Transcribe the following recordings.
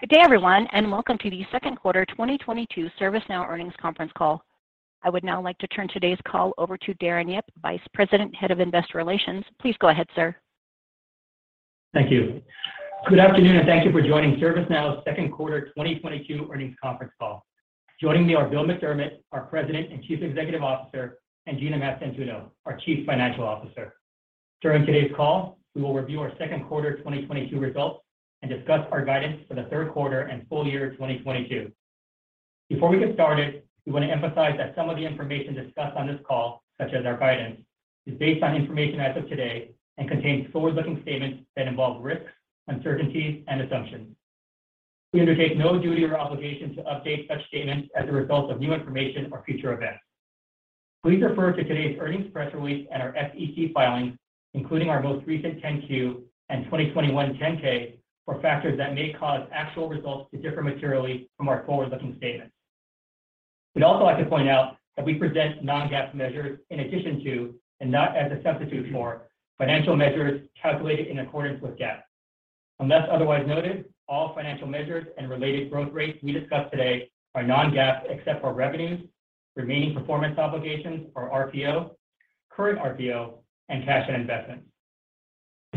Good day, everyone, and welcome to the Second Quarter 2022 ServiceNow Earnings Conference Call. I would now like to turn today's call over to Darren Yip, Vice President, Head of Investor Relations. Please go ahead, sir. Thank you. Good afternoon, and thank you for joining ServiceNow's second quarter 2022 earnings conference call. Joining me are Bill McDermott, our President and Chief Executive Officer, and Gina Mastantuono, our Chief Financial Officer. During today's call, we will review our second quarter 2022 results and discuss our guidance for the third quarter and full year 2022. Before we get started, we wanna emphasize that some of the information discussed on this call, such as our guidance, is based on information as of today and contains forward-looking statements that involve risks, uncertainties, and assumptions. We undertake no duty or obligation to update such statements as a result of new information or future events. Please refer to today's earnings press release and our SEC filings, including our most recent 10-Q and 2021 10-K, for factors that may cause actual results to differ materially from our forward-looking statements. We'd also like to point out that we present non-GAAP measures in addition to, and not as a substitute for, financial measures calculated in accordance with GAAP. Unless otherwise noted, all financial measures and related growth rates we discuss today are non-GAAP except for revenues, remaining performance obligations or RPO, current RPO, and cash and investments.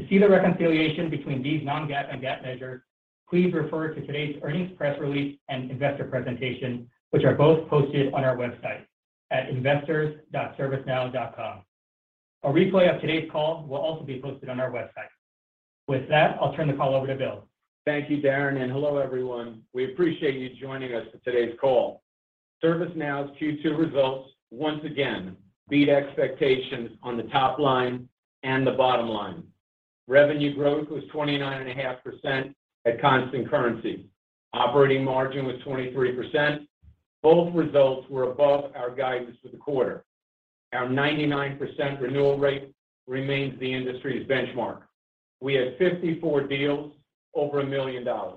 To see the reconciliation between these non-GAAP and GAAP measures, please refer to today's earnings press release and investor presentation, which are both posted on our website at investors.servicenow.com. A replay of today's call will also be posted on our website. With that, I'll turn the call over to Bill. Thank you, Darren, and hello, everyone. We appreciate you joining us for today's call. ServiceNow's Q2 results once again beat expectations on the top line and the bottom line. Revenue growth was 29.5% at constant currency. Operating margin was 23%. Both results were above our guidance for the quarter. Our 99% renewal rate remains the industry's benchmark. We had 54 deals over $1 million. Our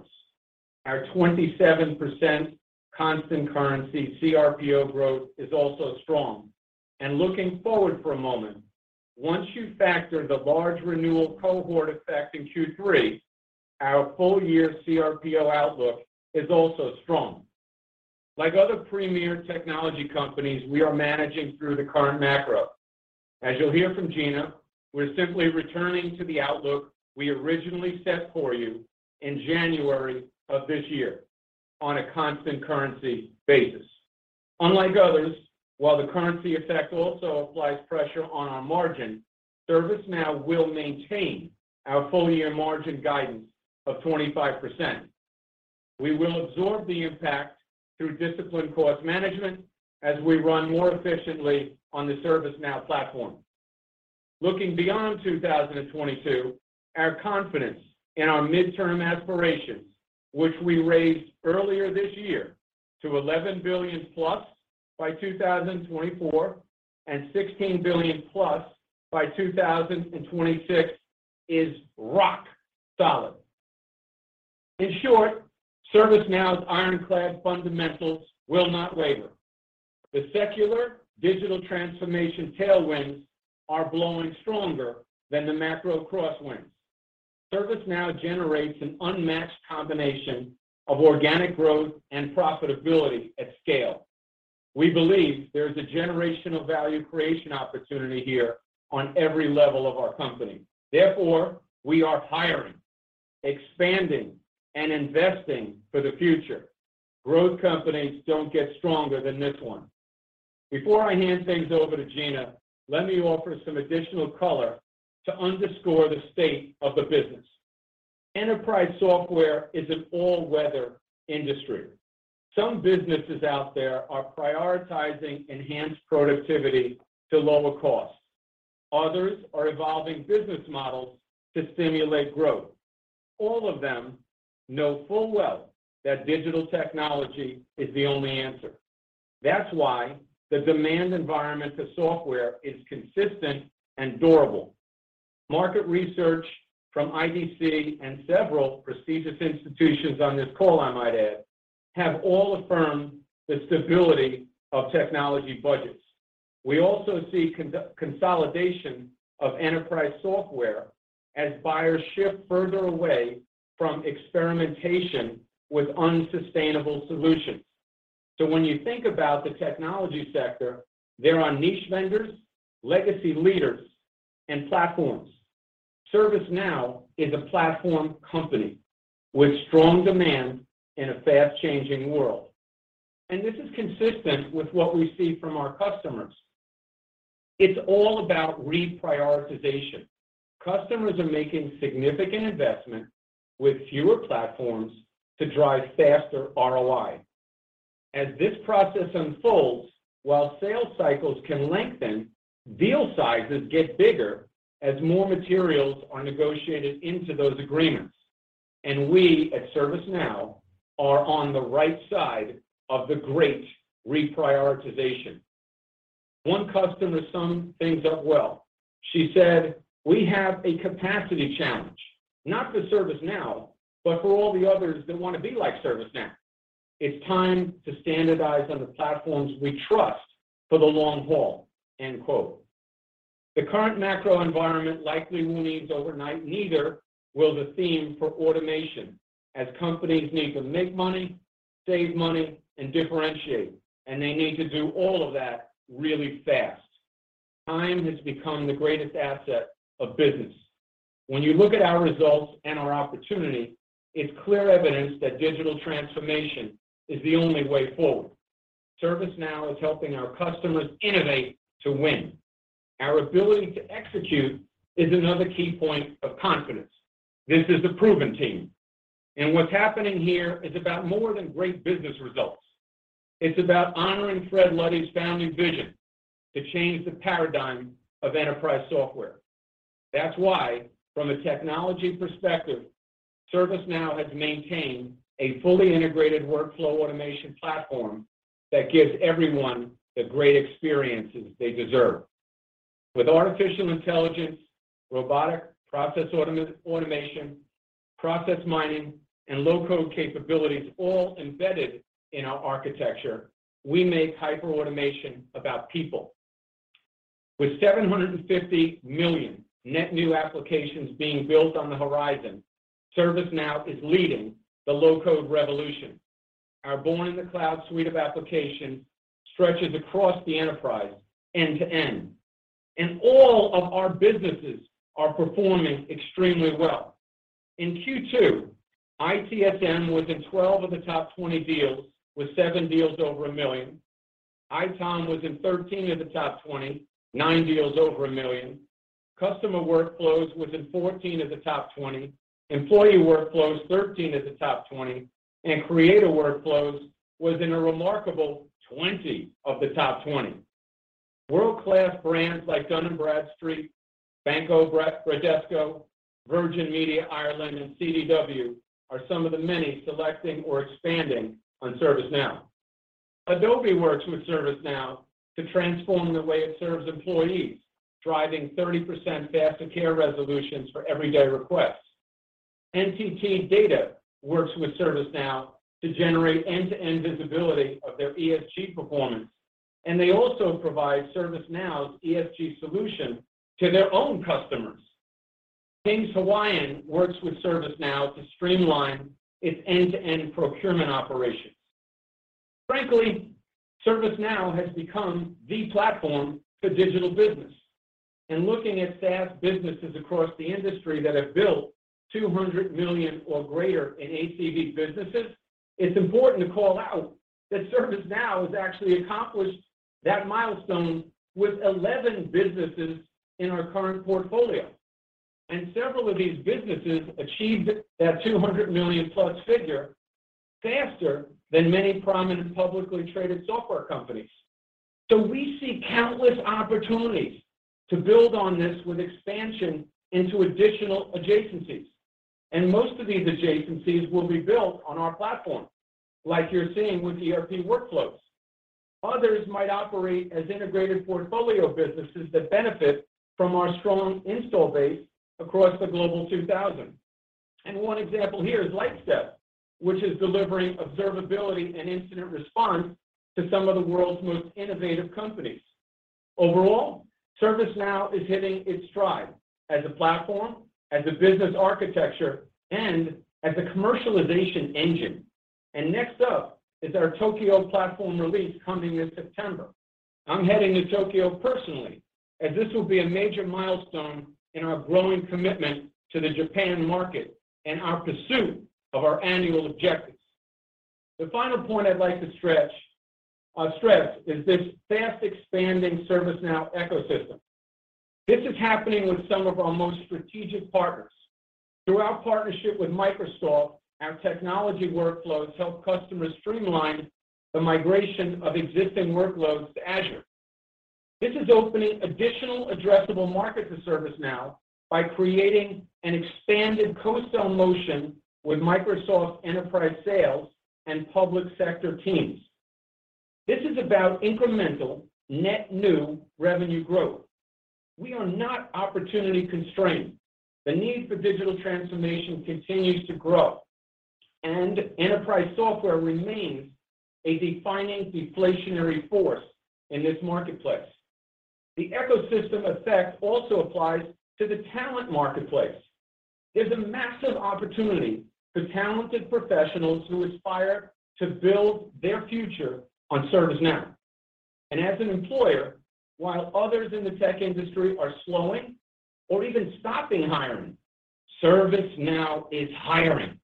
27% constant currency cRPO growth is also strong. Looking forward for a moment, once you factor the large renewal cohort effect in Q3, our full year cRPO outlook is also strong. Like other premier technology companies, we are managing through the current macro. As you'll hear from Gina, we're simply returning to the outlook we originally set for you in January of this year on a constant currency basis. Unlike others, while the currency effect also applies pressure on our margin, ServiceNow will maintain our full year margin guidance of 25%. We will absorb the impact through disciplined cost management as we run more efficiently on the ServiceNow platform. Looking beyond 2022, our confidence in our midterm aspirations, which we raised earlier this year to $11 billion plus by 2024, and $16 billion plus by 2026, is rock solid. In short, ServiceNow's ironclad fundamentals will not waver. The secular digital transformation tailwinds are blowing stronger than the macro crosswinds. ServiceNow generates an unmatched combination of organic growth and profitability at scale. We believe there's a generational value creation opportunity here on every level of our company. Therefore, we are hiring, expanding, and investing for the future. Growth companies don't get stronger than this one. Before I hand things over to Gina, let me offer some additional color to underscore the state of the business. Enterprise software is an all-weather industry. Some businesses out there are prioritizing enhanced productivity to lower costs. Others are evolving business models to stimulate growth. All of them know full well that digital technology is the only answer. That's why the demand environment to software is consistent and durable. Market research from IDC and several prestigious institutions on this call, I might add, have all affirmed the stability of technology budgets. We also see consolidation of enterprise software as buyers shift further away from experimentation with unsustainable solutions. When you think about the technology sector, there are niche vendors, legacy leaders, and platforms. ServiceNow is a platform company with strong demand in a fast-changing world, and this is consistent with what we see from our customers. It's all about reprioritization. Customers are making significant investment with fewer platforms to drive faster ROI. As this process unfolds, while sales cycles can lengthen, deal sizes get bigger as more materials are negotiated into those agreements, and we at ServiceNow are on the right side of the great reprioritization. One customer summed things up well. She said, "We have a capacity challenge, not for ServiceNow, but for all the others that wanna be like ServiceNow. It's time to standardize on the platforms we trust for the long haul." End quote. The current macro environment likely won't ease overnight, neither will the theme for automation, as companies need to make money, save money, and differentiate, and they need to do all of that really fast. Time has become the greatest asset of business. When you look at our results and our opportunity, it's clear evidence that digital transformation is the only way forward. ServiceNow is helping our customers innovate to win. Our ability to execute is another key point of confidence. This is a proven team, and what's happening here is about more than great business results. It's about honoring Fred Luddy's founding vision to change the paradigm of enterprise software. That's why, from a technology perspective, ServiceNow has maintained a fully integrated workflow automation platform that gives everyone the great experiences they deserve. With artificial intelligence, robotic process automation, process mining, and low-code capabilities all embedded in our architecture, we make hyperautomation about people. With 750 million net new applications being built on the horizon, ServiceNow is leading the low-code revolution. Our born-in-the-cloud suite of applications stretches across the enterprise end-to-end, and all of our businesses are performing extremely well. In Q2, ITSM was in 12 of the top 20 deals, with seven deals over $1 million. ITOM was in 13 of the top 20, nine deals over $1 million. Customer Workflows was in 14 of the top 20. Employee Workflows, 13 of the top 20. Creator Workflows was in a remarkable 20 of the top 20. World-class brands like Dun & Bradstreet, Banco Bradesco, Virgin Media Ireland, and CDW are some of the many selecting or expanding on ServiceNow. Adobe works with ServiceNow to transform the way it serves employees, driving 30% faster care resolutions for everyday requests. NTT DATA works with ServiceNow to generate end-to-end visibility of their ESG performance, and they also provide ServiceNow's ESG solution to their own customers. King's Hawaiian works with ServiceNow to streamline its end-to-end procurement operations. Frankly, ServiceNow has become the platform for digital business. Looking at SaaS businesses across the industry that have built $200 million or greater in ACV businesses, it's important to call out that ServiceNow has actually accomplished that milestone with 11 businesses in our current portfolio. Several of these businesses achieved that $200 million-plus figure faster than many prominent publicly traded software companies. We see countless opportunities to build on this with expansion into additional adjacencies. Most of these adjacencies will be built on our platform, like you're seeing with ERP Workflows. Others might operate as integrated portfolio businesses that benefit from our strong install base across the Global 2000. One example here is Lightstep, which is delivering observability and incident response to some of the world's most innovative companies. Overall, ServiceNow is hitting its stride as a platform, as a business architecture, and as a commercialization engine. Next up is our Tokyo platform release coming this September. I'm heading to Tokyo personally, as this will be a major milestone in our growing commitment to the Japan market and our pursuit of our annual objectives. The final point I'd like to stress is this fast-expanding ServiceNow ecosystem. This is happening with some of our most strategic partners. Through our partnership with Microsoft, our technology workflows help customers streamline the migration of existing workloads to Azure. This is opening additional addressable markets to ServiceNow by creating an expanded co-sell motion with Microsoft enterprise sales and public sector teams. This is about incremental net new revenue growth. We are not opportunity-constrained. The need for digital transformation continues to grow, and enterprise software remains a defining deflationary force in this marketplace. The ecosystem effect also applies to the talent marketplace. There's a massive opportunity for talented professionals who aspire to build their future on ServiceNow. As an employer, while others in the tech industry are slowing or even stopping hiring, ServiceNow is hiring.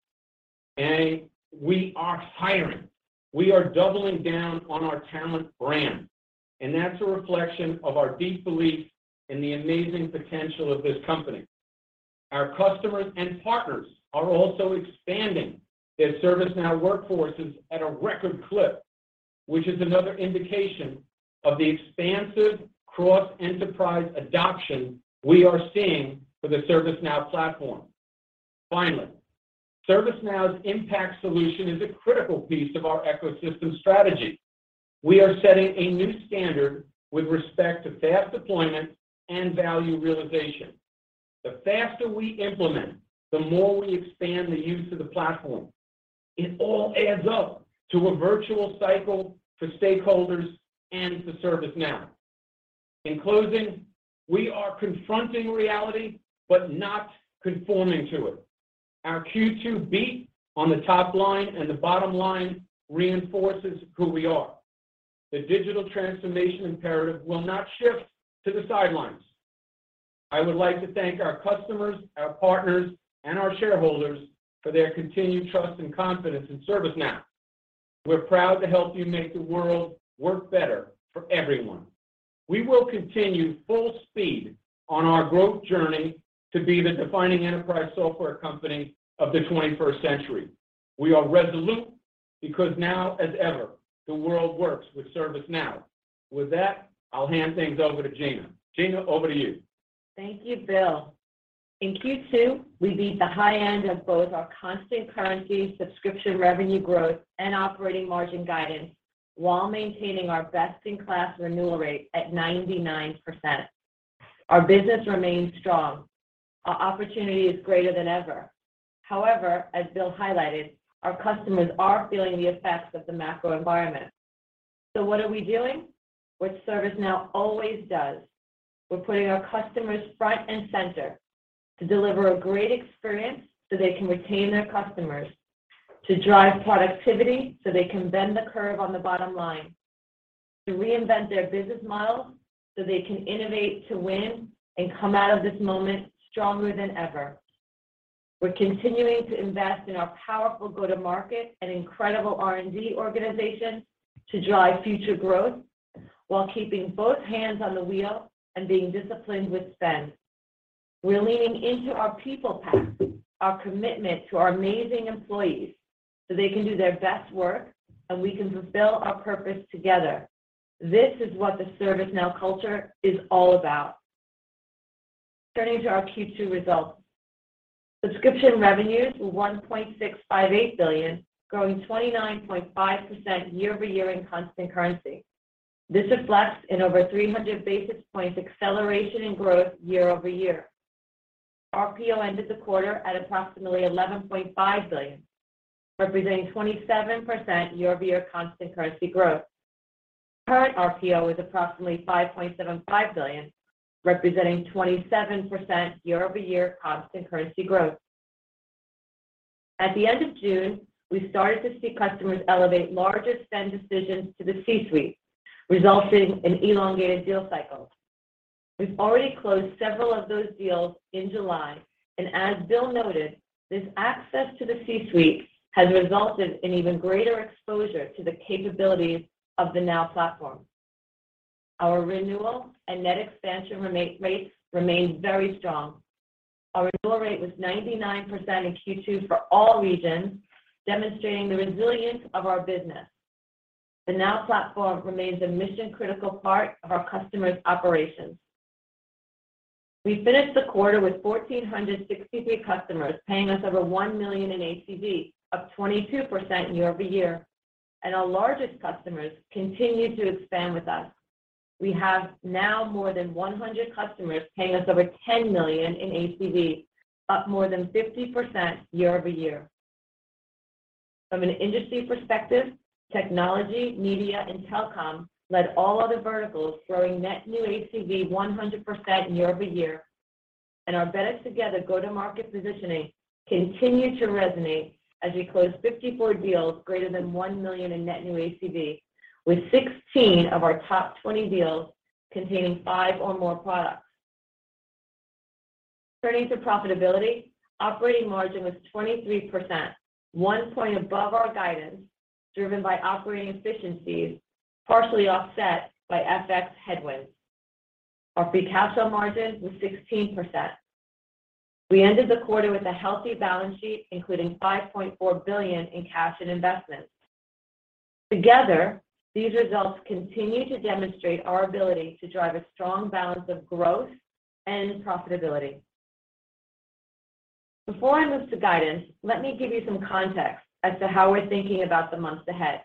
We are hiring. We are doubling down on our talent brand, and that's a reflection of our deep belief in the amazing potential of this company. Our customers and partners are also expanding their ServiceNow workforces at a record clip, which is another indication of the expansive cross-enterprise adoption we are seeing for the ServiceNow platform. Finally, ServiceNow's Impact solution is a critical piece of our ecosystem strategy. We are setting a new standard with respect to fast deployment and value realization. The faster we implement, the more we expand the use of the platform. It all adds up to a virtual cycle for stakeholders and for ServiceNow. In closing, we are confronting reality but not conforming to it. Our Q2 beat on the top line and the bottom line reinforces who we are. The digital transformation imperative will not shift to the sidelines. I would like to thank our customers, our partners, and our shareholders for their continued trust and confidence in ServiceNow. We're proud to help you make the world work better for everyone. We will continue full speed on our growth journey to be the defining enterprise software company of the twenty-first century. We are resolute because now as ever, the world works with ServiceNow. With that, I'll hand things over to Gina. Gina, over to you. Thank you, Bill. In Q2, we beat the high end of both our constant currency subscription revenue growth and operating margin guidance while maintaining our best-in-class renewal rate at 99%. Our business remains strong. Our opportunity is greater than ever. However, as Bill highlighted, our customers are feeling the effects of the macro environment. What are we doing? What ServiceNow always does. We're putting our customers front and center to deliver a great experience so they can retain their customers, to drive productivity, so they can bend the curve on the bottom line, to reinvent their business models, so they can innovate to win and come out of this moment stronger than ever. We're continuing to invest in our powerful go-to-market and incredible R&D organization to drive future growth while keeping both hands on the wheel and being disciplined with spend. We're leaning into our people path, our commitment to our amazing employees, so they can do their best work, and we can fulfill our purpose together. This is what the ServiceNow culture is all about. Turning to our Q2 results. Subscription revenues were $1.658 billion, growing 29.5% year-over-year in constant currency. This reflects an over 300 basis points acceleration in growth year-over-year. RPO ended the quarter at approximately $11.5 billion, representing 27% year-over-year constant currency growth. Current RPO is approximately $5.75 billion, representing 27% year-over-year constant currency growth. At the end of June, we started to see customers elevate larger spend decisions to the C-suite, resulting in elongated deal cycles. We've already closed several of those deals in July, and as Bill noted, this access to the C-suite has resulted in even greater exposure to the capabilities of the Now Platform. Our renewal and net expansion rate remains very strong. Our renewal rate was 99% in Q2 for all regions, demonstrating the resilience of our business. The Now Platform remains a mission-critical part of our customers' operations. We finished the quarter with 1,463 customers paying us over $1 million in ACV, up 22% year-over-year, and our largest customers continue to expand with us. We have now more than 100 customers paying us over $10 million in ACV, up more than 50% year-over-year. From an industry perspective, technology, media, and telecom led all other verticals, growing net new ACV 100% year-over-year, and our better together go-to-market positioning continued to resonate as we closed 54 deals greater than $1 million in net new ACV, with 16 of our top 20 deals containing five or more products. Turning to profitability, operating margin was 23%, one point above our guidance, driven by operating efficiencies, partially offset by FX headwinds. Our free cash flow margin was 16%. We ended the quarter with a healthy balance sheet, including $5.4 billion in cash and investments. Together, these results continue to demonstrate our ability to drive a strong balance of growth and profitability. Before I move to guidance, let me give you some context as to how we're thinking about the months ahead.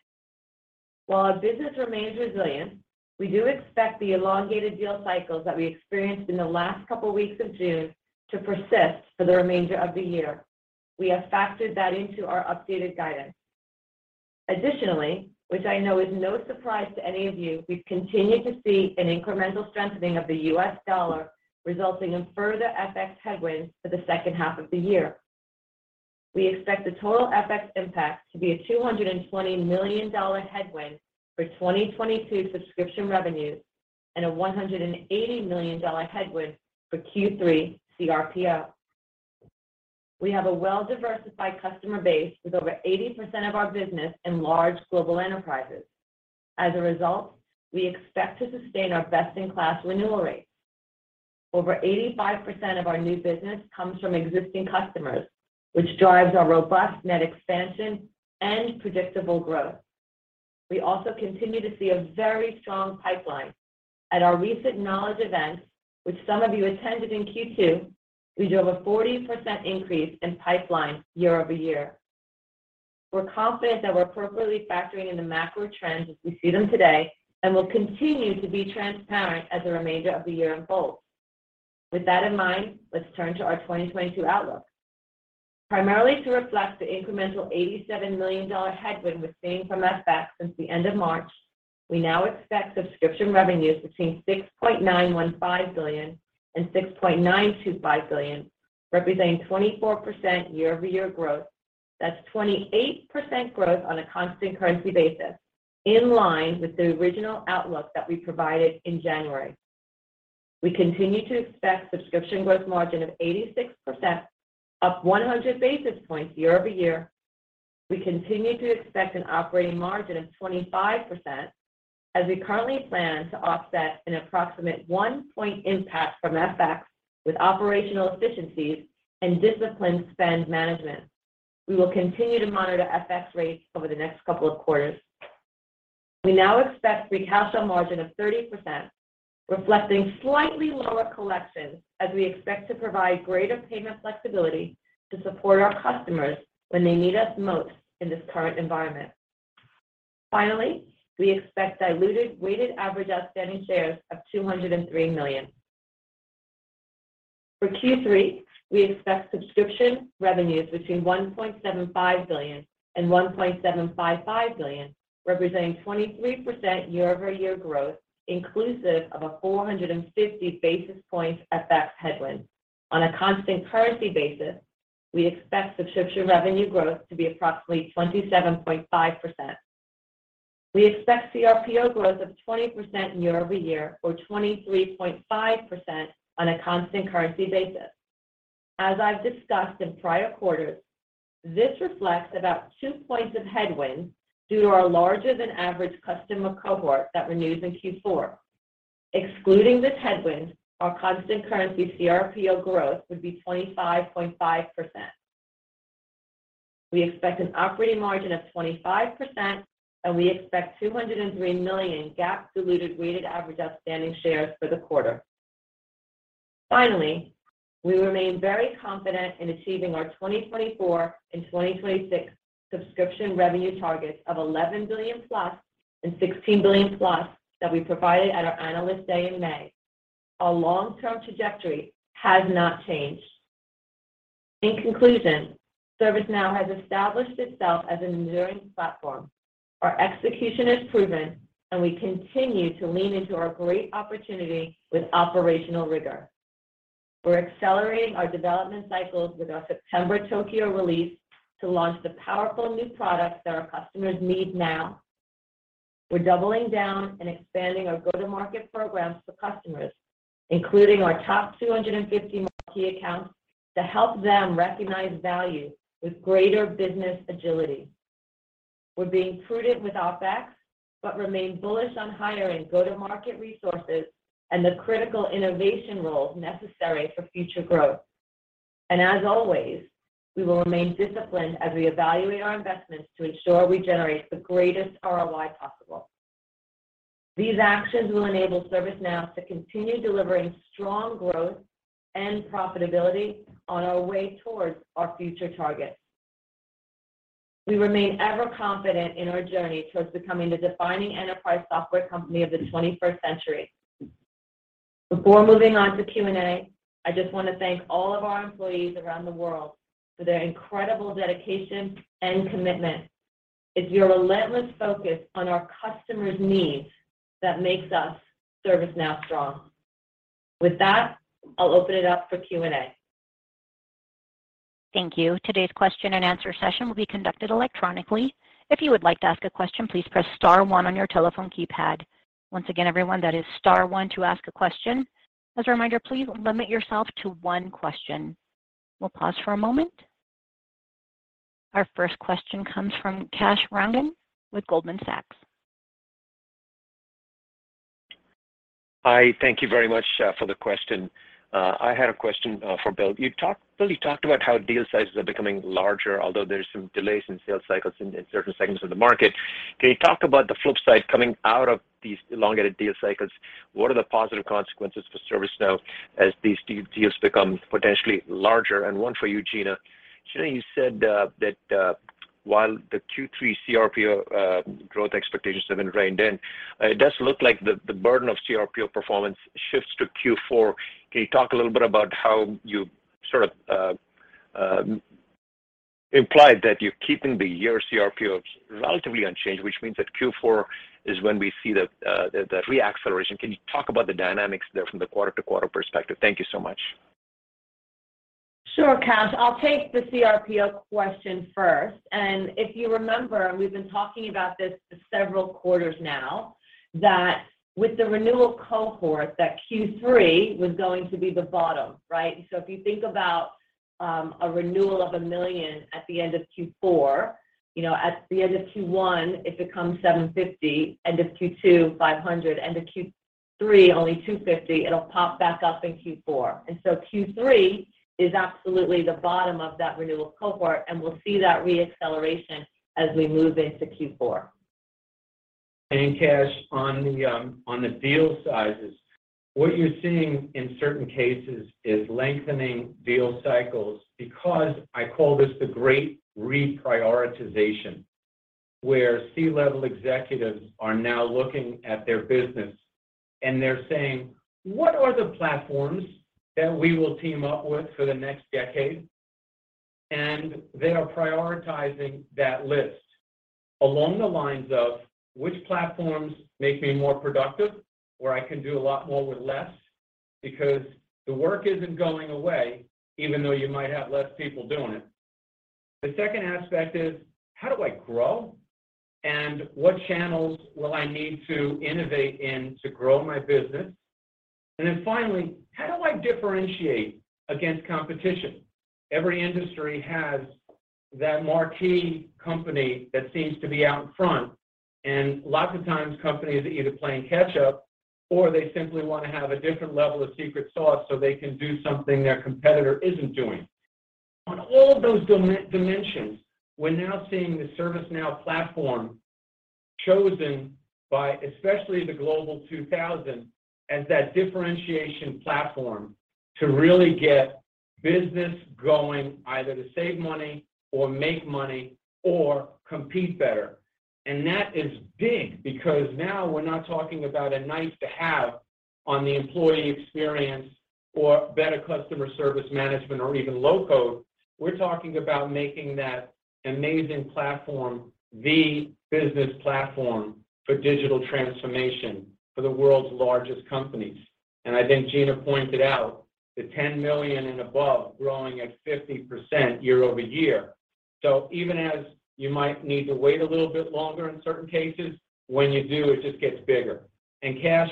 While our business remains resilient, we do expect the elongated deal cycles that we experienced in the last couple weeks of June to persist for the remainder of the year. We have factored that into our updated guidance. Additionally, which I know is no surprise to any of you, we've continued to see an incremental strengthening of the US dollar, resulting in further FX headwinds for the second half of the year. We expect the total FX impact to be a $220 million headwind for 2022 subscription revenues and a $180 million headwind for Q3 cRPO. We have a well-diversified customer base with over 80% of our business in large global enterprises. As a result, we expect to sustain our best-in-class renewal rates. Over 85% of our new business comes from existing customers, which drives our robust net expansion and predictable growth. We also continue to see a very strong pipeline. At our recent Knowledge events, which some of you attended in Q2, we drove a 40% increase in pipeline year-over-year. We're confident that we're appropriately factoring in the macro trends as we see them today and will continue to be transparent as the remainder of the year unfolds. With that in mind, let's turn to our 2022 outlook. Primarily to reflect the incremental $87 million headwind we're seeing from FX since the end of March, we now expect subscription revenues between $6.915 billion and $6.925 billion, representing 24% year-over-year growth. That's 28% growth on a constant currency basis, in line with the original outlook that we provided in January. We continue to expect subscription growth margin of 86%, up 100 basis points year-over-year. We continue to expect an operating margin of 25%, as we currently plan to offset an approximate one point impact from FX with operational efficiencies and disciplined spend management. We will continue to monitor FX rates over the next couple of quarters. We now expect free cash flow margin of 30%, reflecting slightly lower collections as we expect to provide greater payment flexibility to support our customers when they need us most in this current environment. Finally, we expect diluted weighted average outstanding shares of 203 million. For Q3, we expect subscription revenues between $1.75 billion and $1.755 billion, representing 23% year-over-year growth, inclusive of a 450 basis points FX headwind. On a constant currency basis, we expect subscription revenue growth to be approximately 27.5%. We expect cRPO growth of 20% year-over-year, or 23.5% on a constant currency basis. As I've discussed in prior quarters, this reflects about two points of headwind due to our larger than average customer cohort that renews in Q4. Excluding this headwind, our constant currency cRPO growth would be 25.5%. We expect an operating margin of 25%, and we expect 203 million GAAP-diluted weighted average outstanding shares for the quarter. Finally, we remain very confident in achieving our 2024 and 2026 subscription revenue targets of $11 billion plus and $16 billion plus that we provided at our Analyst Day in May. Our long-term trajectory has not changed. In conclusion, ServiceNow has established itself as an enduring platform. Our execution is proven, and we continue to lean into our great opportunity with operational rigor. We're accelerating our development cycles with our September Tokyo release to launch the powerful new products that our customers need now. We're doubling down and expanding our go-to-market programs for customers, including our top 250 key accounts, to help them recognize value with greater business agility. We're being prudent with OpEx, but remain bullish on hiring go-to-market resources and the critical innovation roles necessary for future growth. As always, we will remain disciplined as we evaluate our investments to ensure we generate the greatest ROI possible. These actions will enable ServiceNow to continue delivering strong growth and profitability on our way towards our future targets. We remain ever confident in our journey towards becoming the defining enterprise software company of the twenty-first century. Before moving on to Q&A, I just want to thank all of our employees around the world for their incredible dedication and commitment. It's your relentless focus on our customers' needs that makes us ServiceNow strong. With that, I'll open it up for Q&A. Thank you. Today's question-and-answer session will be conducted electronically. If you would like to ask a question, please press star one on your telephone keypad. Once again, everyone, that is star one to ask a question. As a reminder, please limit yourself to one question. We'll pause for a moment. Our first question comes from Kash Rangan with Goldman Sachs. Hi, thank you very much for the question. I had a question for Bill. Bill, you talked about how deal sizes are becoming larger, although there's some delays in sales cycles in certain segments of the market. Can you talk about the flip side coming out of these elongated deal cycles? What are the positive consequences for ServiceNow as these deals become potentially larger? One for you, Gina. Gina, you said that while the Q3 cRPO growth expectations have been reined in, it does look like the burden of cRPO performance shifts to Q4. Can you talk a little bit about how you sort of implied that you're keeping the year cRPOs relatively unchanged, which means that Q4 is when we see the reacceleration. Can you talk about the dynamics there from the quarter-to-quarter perspective? Thank you so much. Sure, Kash. I'll take the cRPO question first. If you remember, we've been talking about this for several quarters now, that with the renewal cohort, that Q3 was going to be the bottom, right? If you think about a renewal of $1 million at the end of Q4, you know, at the end of Q1, it becomes $750, end of Q2, $500, end of Q3, only $250. It'll pop back up in Q4. Q3 is absolutely the bottom of that renewal cohort, and we'll see that reacceleration as we move into Q4. Kash, on the deal sizes, what you're seeing in certain cases is lengthening deal cycles because I call this the great reprioritization. Where C-level executives are now looking at their business and they're saying, "What are the platforms that we will team up with for the next decade?" They are prioritizing that list along the lines of which platforms make me more productive, where I can do a lot more with less, because the work isn't going away, even though you might have less people doing it. The second aspect is, how do I grow, and what channels will I need to innovate in to grow my business? Finally, how do I differentiate against competition? Every industry has that marquee company that seems to be out in front, and lots of times companies are either playing catch up or they simply wanna have a different level of secret sauce so they can do something their competitor isn't doing. On all of those dimensions, we're now seeing the ServiceNow platform chosen by especially the Global 2000 as that differentiation platform to really get business going, either to save money or make money or compete better. That is big because now we're not talking about a nice-to-have on the employee experience or better customer service management or even low-code. We're talking about making that amazing platform the business platform for digital transformation for the world's largest companies. I think Gina pointed out the $10 million and above growing at 50% year-over-year. Even as you might need to wait a little bit longer in certain cases, when you do, it just gets bigger. Kash,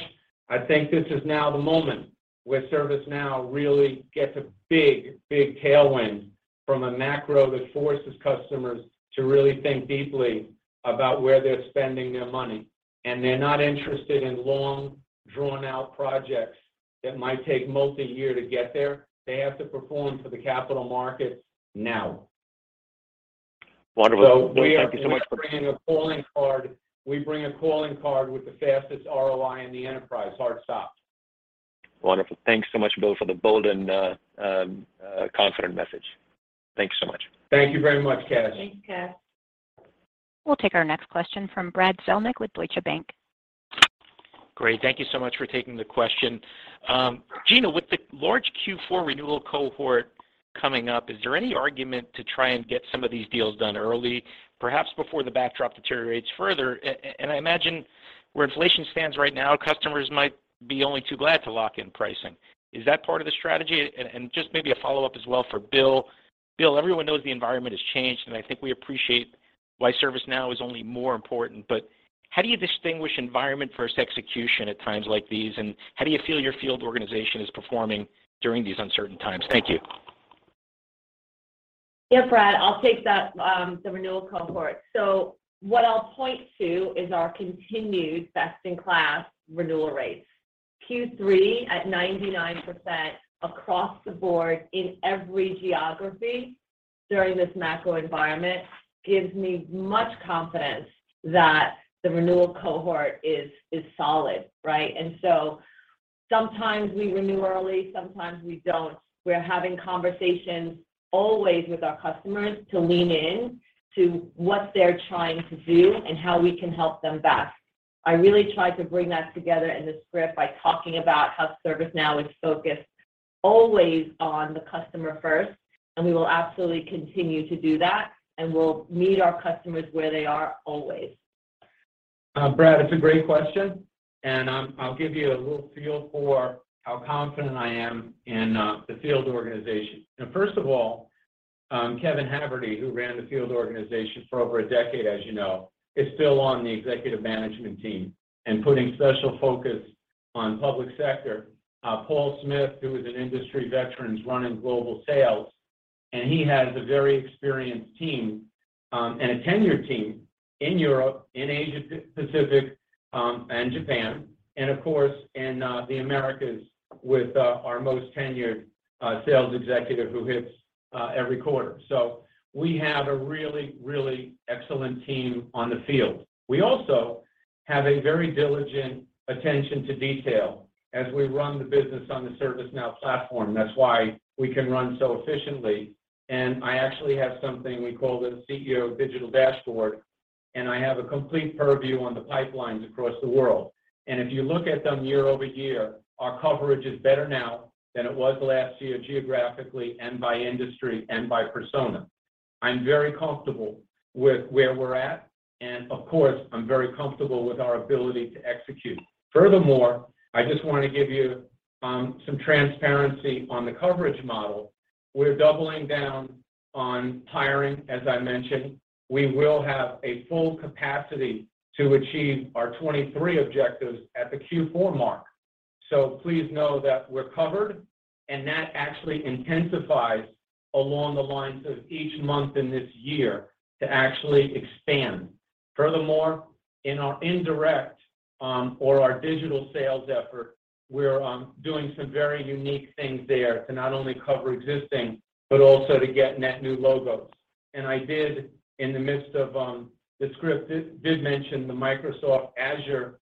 I think this is now the moment where ServiceNow really gets a big, big tailwind from a macro that forces customers to really think deeply about where they're spending their money. They're not interested in long, drawn-out projects that might take multi-year to get there. They have to perform for the capital markets now. Wonderful. Bill, thank you so much for. We bring a calling card with the fastest ROI in the enterprise. Hard stop. Wonderful. Thanks so much, Bill, for the bold and confident message. Thank you so much. Thank you very much, Kash. Thanks, Kash. We'll take our next question from Brad Zelnick with Deutsche Bank. Great. Thank you so much for taking the question. Gina, with the large Q4 renewal cohort coming up, is there any argument to try and get some of these deals done early, perhaps before the backdrop deteriorates further? I imagine where inflation stands right now, customers might be only too glad to lock in pricing. Is that part of the strategy? Just maybe a follow-up as well for Bill. Bill, everyone knows the environment has changed, and I think we appreciate why ServiceNow is only more important. How do you distinguish environment versus execution at times like these? How do you feel your field organization is performing during these uncertain times? Thank you. Yeah, Brad, I'll take that, the renewal cohort. What I'll point to is our continued best-in-class renewal rates. Q3 at 99% across the board in every geography during this macro environment gives me much confidence that the renewal cohort is solid, right? Sometimes we renew early, sometimes we don't. We're having conversations always with our customers to lean in to what they're trying to do and how we can help them best. I really tried to bring that together in the script by talking about how ServiceNow is focused always on the customer first, and we will absolutely continue to do that, and we'll meet our customers where they are always. Brad, it's a great question, and I'll give you a little feel for how confident I am in the field organization. Now, first of all, Kevin Haverty, who ran the field organization for over a decade, as you know, is still on the executive management team and putting special focus on public sector. Paul Smith, who is an industry veteran, is running global sales, and he has a very experienced team and a tenured team in Europe, in Asia-Pacific, and Japan, and of course, in the Americas with our most tenured sales executive who hits every quarter. We have a really excellent team in the field. We also have a very diligent attention to detail as we run the business on the ServiceNow platform. That's why we can run so efficiently. I actually have something we call the CEO Dashboard, and I have a complete purview on the pipelines across the world. If you look at them year-over-year, our coverage is better now than it was last year geographically and by industry and by persona. I'm very comfortable with where we're at, and of course, I'm very comfortable with our ability to execute. Furthermore, I just wanna give you some transparency on the coverage model. We're doubling down on hiring, as I mentioned. We will have a full capacity to achieve our 23 objectives at the Q4 mark. Please know that we're covered, and that actually intensifies along the lines of each month in this year to actually expand. Furthermore, in our indirect or our digital sales effort, we're doing some very unique things there to not only cover existing, but also to get net new logos. I did, in the midst of the script, mention the Microsoft Azure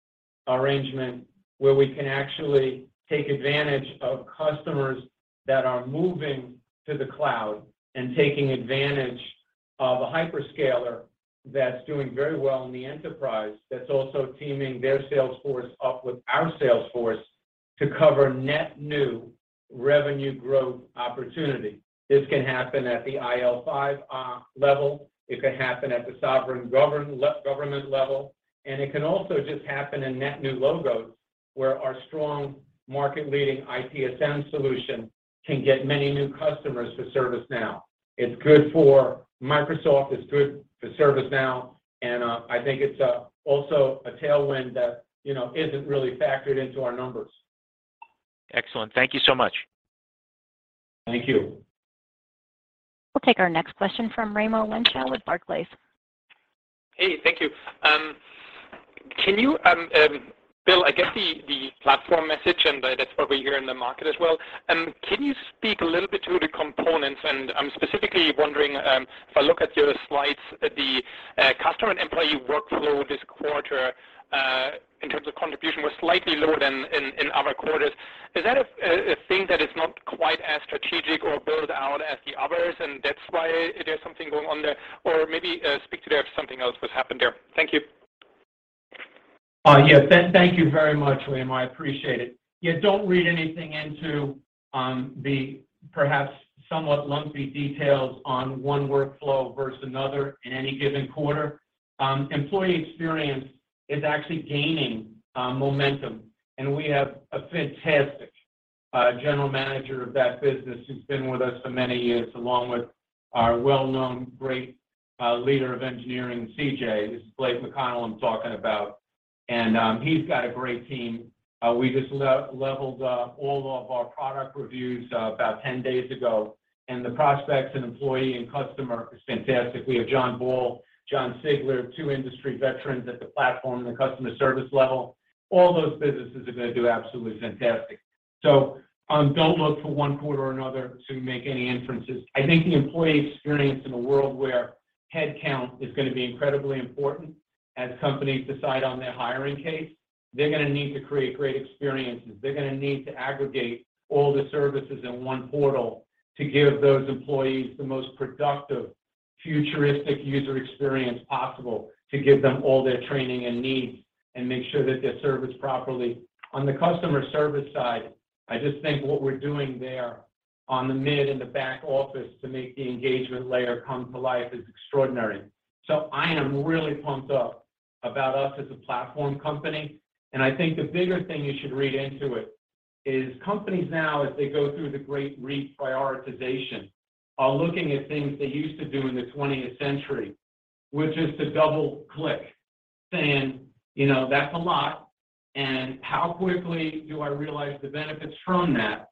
arrangement where we can actually take advantage of customers that are moving to the cloud, and taking advantage of a hyperscaler that's doing very well in the enterprise, that's also teaming their sales force up with our sales force to cover net new revenue growth opportunity. This can happen at the IL5 level. It can happen at the sovereign government level, and it can also just happen in net new logos, where our strong market-leading ITSM solution can get many new customers to ServiceNow. It's good for Microsoft, it's good for ServiceNow, and I think it's also a tailwind that, you know, isn't really factored into our numbers. Excellent. Thank you so much. Thank you. We'll take our next question from Raimo Lenschow with Barclays. Hey, thank you. Can you, Bill, I guess the platform message, and that's what we hear in the market as well. Can you speak a little bit to the components? I'm specifically wondering, if I look at your slides, the Customer and Employee Workflows this quarter, in terms of contribution, was slightly lower than in other quarters. Is that a thing that is not quite as strategic or built out as the others, and that's why there's something going on there? Or maybe, speak to if something else has happened there. Thank you. Yes. Thank you very much, Raimo. I appreciate it. Yeah, don't read anything into the perhaps somewhat lumpy details on one workflow versus another in any given quarter. Employee experience is actually gaining momentum, and we have a fantastic general manager of that business who's been with us for many years, along with our well-known great leader of engineering, CJ. This is Blake McConnell I'm talking about, and he's got a great team. We just leveled up all of our product reviews about 10 days ago, and the prospects in employee and customer is fantastic. We have John Ball, Jon Sigler, two industry veterans at the platform and the customer service level. All those businesses are gonna do absolutely fantastic. Don't look for one quarter or another to make any inferences. I think the employee experience in a world where headcount is gonna be incredibly important as companies decide on their hiring pace, they're gonna need to create great experiences. They're gonna need to aggregate all the services in one portal to give those employees the most productive, futuristic user experience possible to give them all their training and needs, and make sure that they're serviced properly. On the customer service side, I just think what we're doing there on the mid and the back office to make the engagement layer come to life is extraordinary. I am really pumped up about us as a platform company. I think the bigger thing you should read into it is companies now, as they go through the great reprioritization, are looking at things they used to do in the twentieth century, which is to double-click saying, you know, "That's a lot," and, "How quickly do I realize the benefits from that?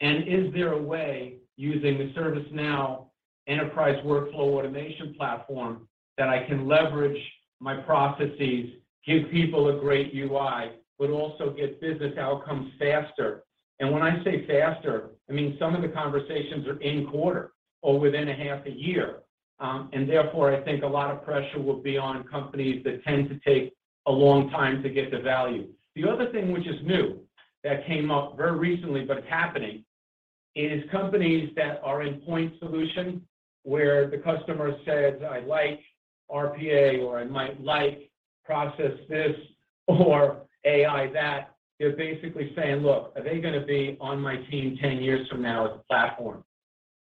And is there a way, using the ServiceNow enterprise workflow automation platform, that I can leverage my processes, give people a great UI, but also get business outcomes faster?" When I say faster, I mean some of the conversations are in quarter or within a half a year. Therefore, I think a lot of pressure will be on companies that tend to take a long time to get the value. The other thing which is new that came up very recently, but it's happening, is companies that are in point solution where the customer says, "I like RPA" or "I might like process this" or AI that. They're basically saying, "Look, are they gonna be on my team 10 years from now as a platform?"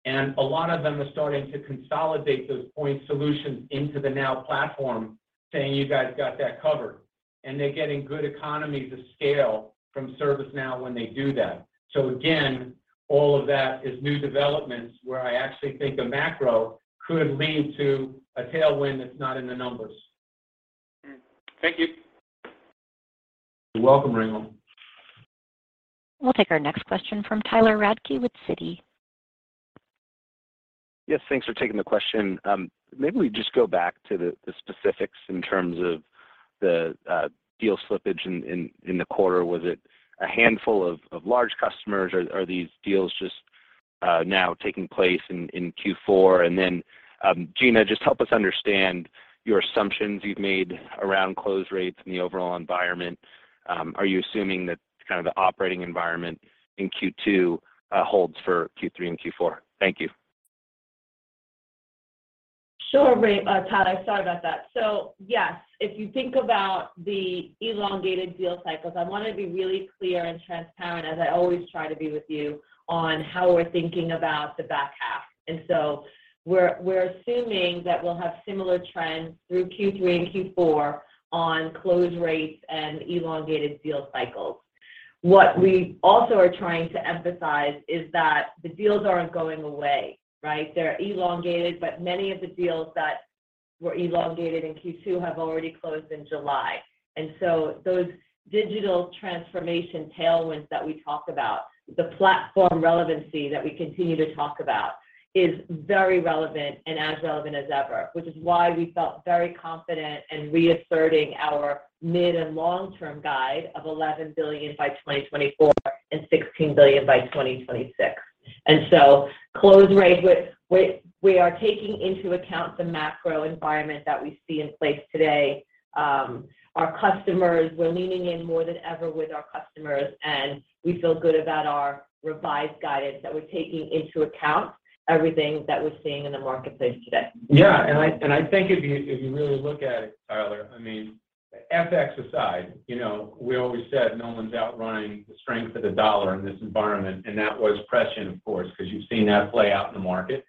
A lot of them are starting to consolidate those point solutions into the Now Platform, saying, "You guys got that covered." They're getting good economies of scale from ServiceNow when they do that. Again, all of that is new developments where I actually think a macro could lead to a tailwind that's not in the numbers. Thank you. You're welcome, Raimo. We'll take our next question from Tyler Radke with Citi. Yes, thanks for taking the question. Maybe we just go back to the specifics in terms of the deal slippage in the quarter. Was it a handful of large customers, or are these deals just now taking place in Q4? Gina, just help us understand your assumptions you've made around close rates in the overall environment. Are you assuming that kind of the operating environment in Q2 holds for Q3 and Q4? Thank you. Sure, Todd. I'm sorry about that. Yes, if you think about the elongated deal cycles, I wanna be really clear and transparent, as I always try to be with you, on how we're thinking about the back half. We're assuming that we'll have similar trends through Q3 and Q4 on close rates and elongated deal cycles. What we also are trying to emphasize is that the deals aren't going away, right? They're elongated, but many of the deals that were elongated in Q2 have already closed in July. Those digital transformation tailwinds that we talk about, the platform relevancy that we continue to talk about is very relevant and as relevant as ever, which is why we felt very confident in reasserting our mid and long-term guide of $11 billion by 2024 and $16 billion by 2026. Close rate, we are taking into account the macro environment that we see in place today. Our customers, we're leaning in more than ever with our customers, and we feel good about our revised guidance that we're taking into account everything that we're seeing in the marketplace today. Yeah. I think if you really look at it, Tyler, I mean, FX aside, you know, we always said no one's outrunning the strength of the US dollar in this environment, and that was prescient, of course, because you've seen that play out in the market.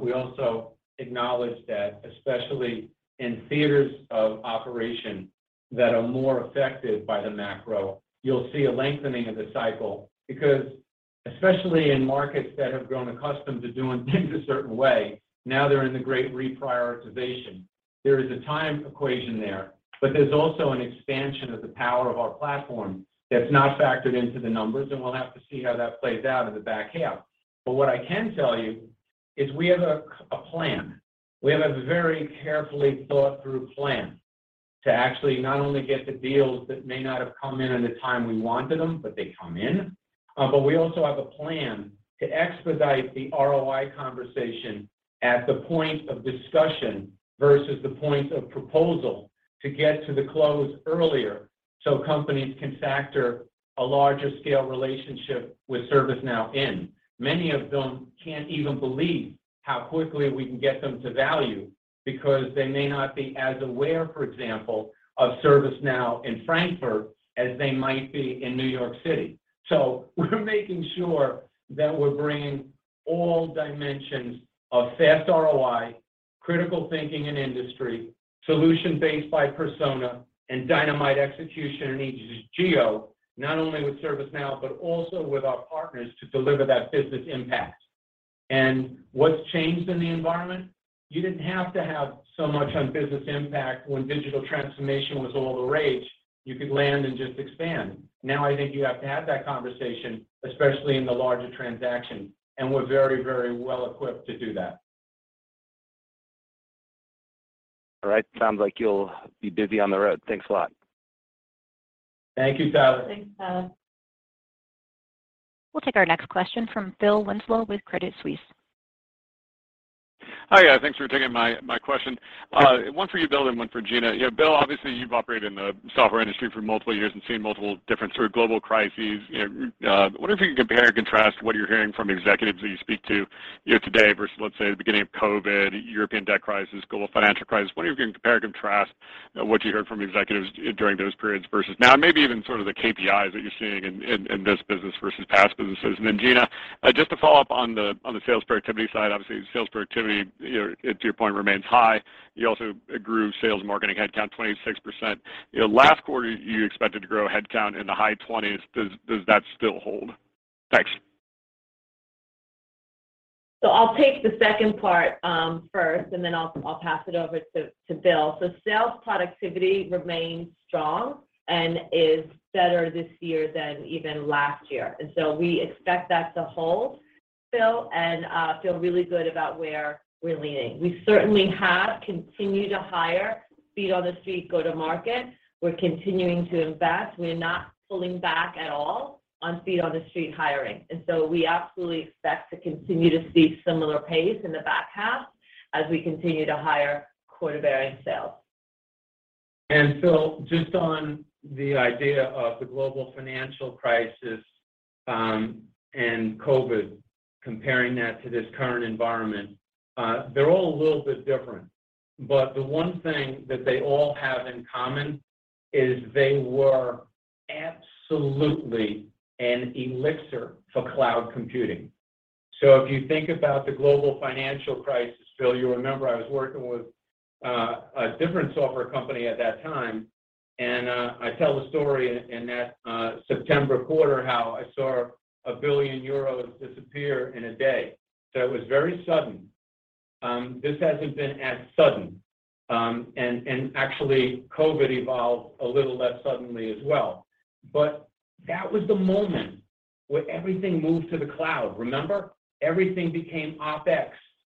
We also acknowledge that especially in theaters of operation that are more affected by the macro, you'll see a lengthening of the cycle. Because especially in markets that have grown accustomed to doing things a certain way, now they're in the great reprioritization. There is a time equation there, but there's also an expansion of the power of our platform that's not factored into the numbers, and we'll have to see how that plays out in the back half. What I can tell you is we have a plan. We have a very carefully thought-through plan to actually not only get the deals that may not have come in in the time we wanted them, but they come in. But we also have a plan to expedite the ROI conversation at the point of discussion versus the point of proposal to get to the close earlier so companies can factor a larger scale relationship with ServiceNow in. Many of them can't even believe how quickly we can get them to value because they may not be as aware, for example, of ServiceNow in Frankfurt as they might be in New York City. We're making sure that we're bringing all dimensions of fast ROI, critical thinking in industry, solution based by persona, and dynamite execution in each geo, not only with ServiceNow, but also with our partners to deliver that business impact. What's changed in the environment? You didn't have to have so much on business impact when digital transformation was all the rage. You could land and just expand. Now, I think you have to have that conversation, especially in the larger transaction, and we're very, very well equipped to do that. All right. Sounds like you'll be busy on the road. Thanks a lot. Thank you, Tyler. Thanks, Tyler. We'll take our next question from Phil Winslow with Credit Suisse. Hi. Thanks for taking my question. One for you, Bill, and one for Gina. Yeah, Bill, obviously you've operated in the software industry for multiple years and seen multiple different sort of global crises. You know, wonder if you can compare and contrast what you're hearing from executives that you speak to, you know, today versus, let's say, the beginning of COVID, European debt crisis, global financial crisis. Wonder if you can compare and contrast what you heard from executives during those periods versus now, and maybe even sort of the KPIs that you're seeing in this business versus past businesses. Then, Gina, just to follow up on the sales productivity side, obviously sales productivity, you know, to your point, remains high. You also grew sales & marketing headcount 26%. You know, last quarter, you expected to grow headcount in the high 20s%. Does that still hold? Thanks. I'll take the second part first, and then I'll pass it over to Bill. Sales productivity remains strong and is better this year than even last year. We expect that to hold, Phil, and feel really good about where we're leaning. We certainly have continued to hire feet on the street go to market. We're continuing to invest. We're not pulling back at all on feet on the street hiring. We absolutely expect to continue to see similar pace in the back half as we continue to hire quota-bearing sales. Phil, just on the idea of the global financial crisis and COVID, comparing that to this current environment, they're all a little bit different. The one thing that they all have in common is they were absolutely an elixir for cloud computing. If you think about the global financial crisis, Phil, you remember I was working with a different software company at that time, and I tell the story in that September quarter how I saw 1 billion euros disappear in a day. It was very sudden. This hasn't been as sudden. And actually COVID evolved a little less suddenly as well. That was the moment where everything moved to the cloud. Remember? Everything became OpEx.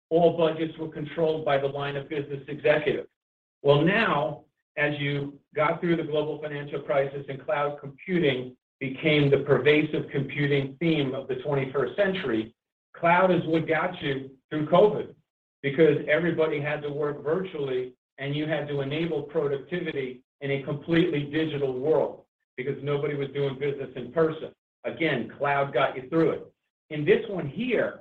All budgets were controlled by the line of business executive. Well, now, as you got through the global financial crisis and cloud computing became the pervasive computing theme of the 21st century, cloud is what got you through COVID because everybody had to work virtually, and you had to enable productivity in a completely digital world because nobody was doing business in person. Again, cloud got you through it. In this one here,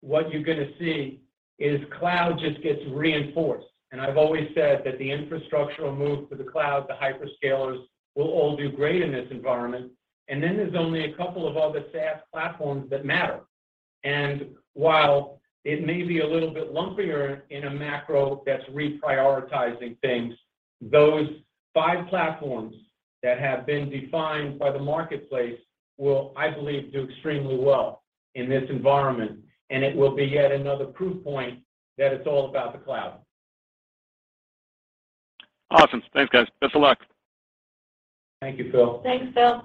what you're gonna see is cloud just gets reinforced. I've always said that the infrastructural move to the cloud, the hyperscalers will all do great in this environment. Then there's only a couple of other SaaS platforms that matter. While it may be a little bit lumpier in a macro that's reprioritizing things, those five platforms that have been defined by the marketplace will, I believe, do extremely well in this environment. It will be yet another proof point that it's all about the cloud. Awesome. Thanks, guys. Best of luck. Thank you, Phil. Thanks, Phil.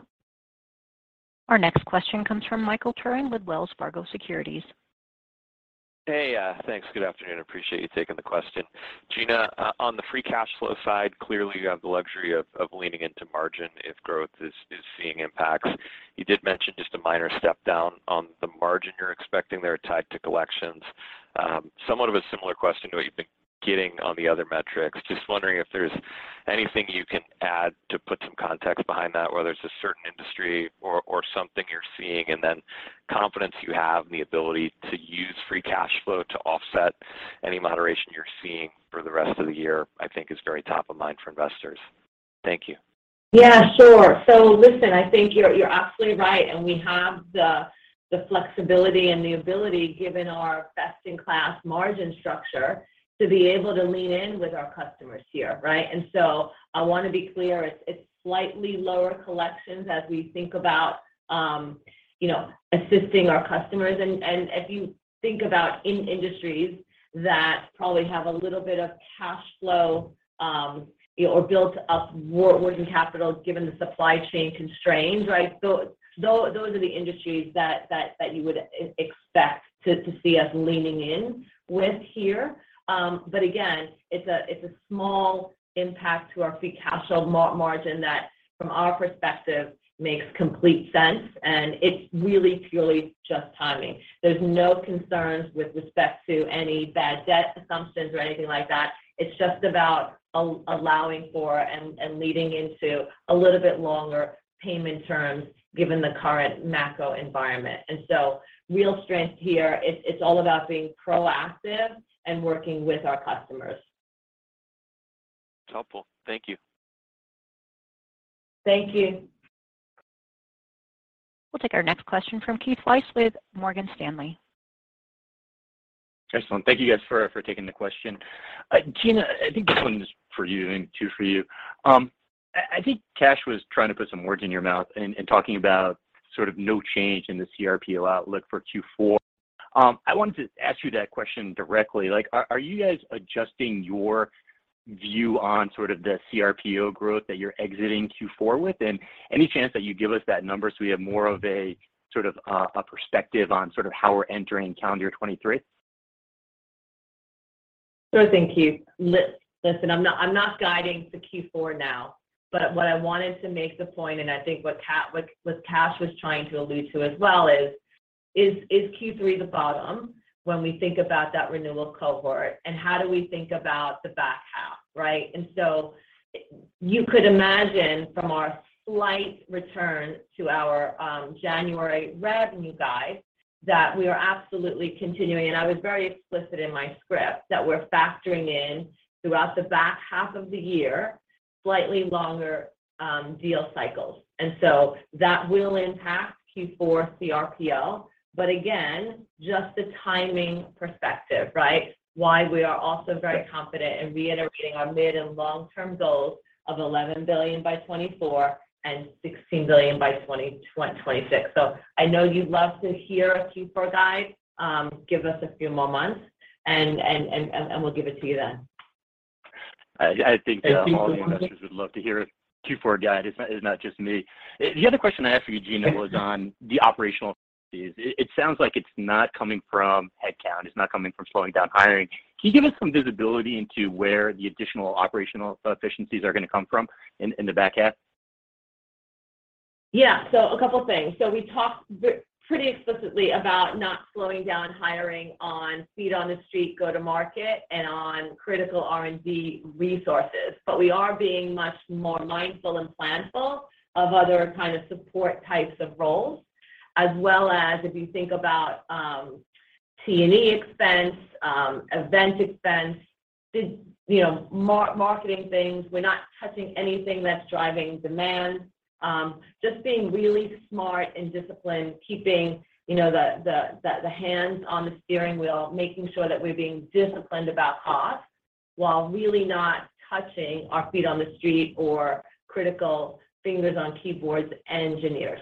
Our next question comes from Michael Turrin with Wells Fargo Securities. Hey, thanks. Good afternoon. Appreciate you taking the question. Gina, on the free cash flow side, clearly you have the luxury of leaning into margin if growth is seeing impacts. You did mention just a minor step down on the margin you're expecting there tied to collections. Somewhat of a similar question to what you've been getting on the other metrics. Just wondering if there's anything you can add to put some context behind that, whether it's a certain industry or something you're seeing. Then confidence you have in the ability to use free cash flow to offset any moderation you're seeing for the rest of the year, I think is very top of mind for investors. Thank you. Yeah, sure. Listen, I think you're absolutely right, and we have the flexibility and the ability given our best-in-class margin structure to be able to lean in with our customers here, right? I wanna be clear, it's slightly lower collections as we think about, you know, assisting our customers. If you think about industries that probably have a little bit of cash flow, or built up working capital given the supply chain constraints, right? Those are the industries that you would expect to see us leaning in with here. Again, it's a small impact to our free cash flow margin that from our perspective makes complete sense, and it's really purely just timing. There's no concerns with respect to any bad debt assumptions or anything like that. It's just about allowing for and leading into a little bit longer payment terms given the current macro environment. Real strength here is it's all about being proactive and working with our customers. It's helpful. Thank you. Thank you. We'll take our next question from Keith Weiss with Morgan Stanley. Excellent. Thank you guys for taking the question. Gina, I think this one is for you and too for you. I think Kash was trying to put some words in your mouth in talking about sort of no change in the cRPO outlook for Q4. I wanted to ask you that question directly. Like, are you guys adjusting your view on sort of the cRPO growth that you're exiting Q4 with? Any chance that you give us that number so we have more of a sort of a perspective on sort of how we're entering calendar 2023? Sure thing, Keith. Listen, I'm not guiding to Q4 now, but what I wanted to make the point, and I think what Kash was trying to allude to as well is Q3 the bottom when we think about that renewal cohort, and how do we think about the back half, right? You could imagine from our slight return to our January revenue guide that we are absolutely continuing. I was very explicit in my script that we're factoring in throughout the back half of the year slightly longer deal cycles. That will impact Q4 cRPO. Again, just the timing perspective, right? Why we are also very confident in reiterating our mid and long-term goals of $11 billion by 2024 and $16 billion by 2026. I know you'd love to hear a Q4 guide. Give us a few more months and we'll give it to you then. I think that all the investors would love to hear a Q4 guide. It's not just me. The other question I asked for you, Gina, was on the operational. It sounds like it's not coming from headcount. It's not coming from slowing down hiring. Can you give us some visibility into where the additional operational efficiencies are gonna come from in the back half? Yeah. A couple things. We talked very explicitly about not slowing down hiring on feet on the street go to market and on critical R&D resources. We are being much more mindful and planful of other kind of support types of roles. As well as if you think about T&E expense, event expense, digital marketing things. We're not touching anything that's driving demand. Just being really smart and disciplined, keeping you know the hands on the steering wheel, making sure that we're being disciplined about costs while really not touching our feet on the street or critical fingers on keyboards and engineers.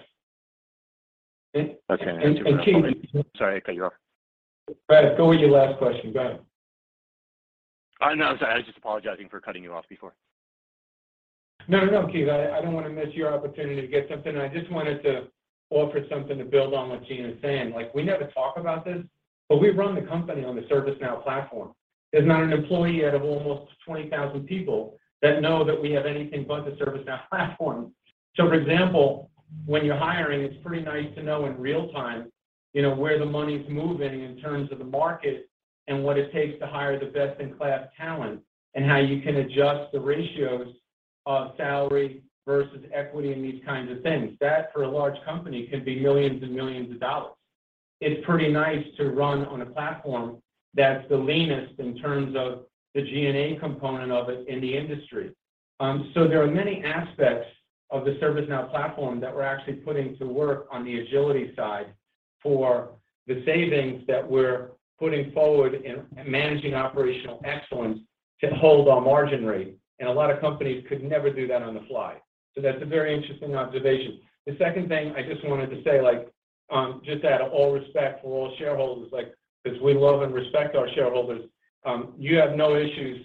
Okay. and Keith- Sorry, I cut you off. Go ahead. Go with your last question. Go ahead. No. Sorry, I was just apologizing for cutting you off before. No, no, Keith. I don't wanna miss your opportunity to get something in. I just wanted to offer something to build on what Gina's saying. Like, we never talk about this, but we run the company on the ServiceNow platform. There's not an employee out of almost 20,000 people that know that we have anything but the ServiceNow platform. For example, when you're hiring, it's pretty nice to know in real time, you know, where the money's moving in terms of the market and what it takes to hire the best-in-class talent, and how you can adjust the ratios of salary versus equity and these kinds of things. That for a large company can be millions and millions of dollars. It's pretty nice to run on a platform that's the leanest in terms of the G&A component of it in the industry. There are many aspects of the ServiceNow platform that we're actually putting to work on the agility side for the savings that we're putting forward in managing operational excellence to hold our margin rate. A lot of companies could never do that on the fly. That's a very interesting observation. The second thing I just wanted to say, like, just out of all respect for all shareholders, like, 'cause we love and respect our shareholders, you have no issues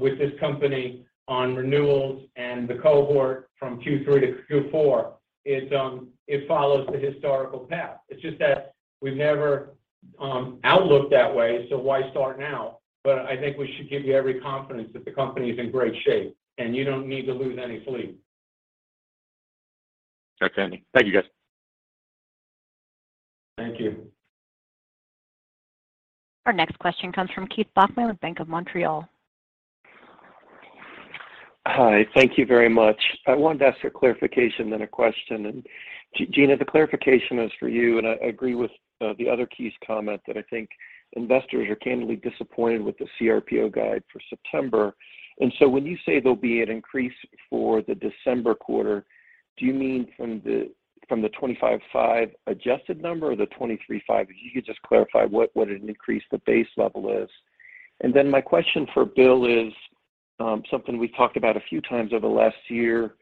with this company on renewals and the cohort from Q3 to Q4, it follows the historical path. It's just that we've never outlooked that way, so why start now? I think we should give you every confidence that the company is in great shape, and you don't need to lose any sleep. Okay. Thank you, guys. Thank you. Our next question comes from Keith Bachman with Bank of Montreal. Hi. Thank you very much. I wanted to ask for clarification, then a question. Gina, the clarification is for you, and I agree with the other Keith's comment that I think investors are candidly disappointed with the cRPO guide for September. When you say there'll be an increase for the December quarter, do you mean from the 25.5% adjusted number or the 23.5%? If you could just clarify what an increase the base level is. My question for Bill is something we've talked about a few times over the last year,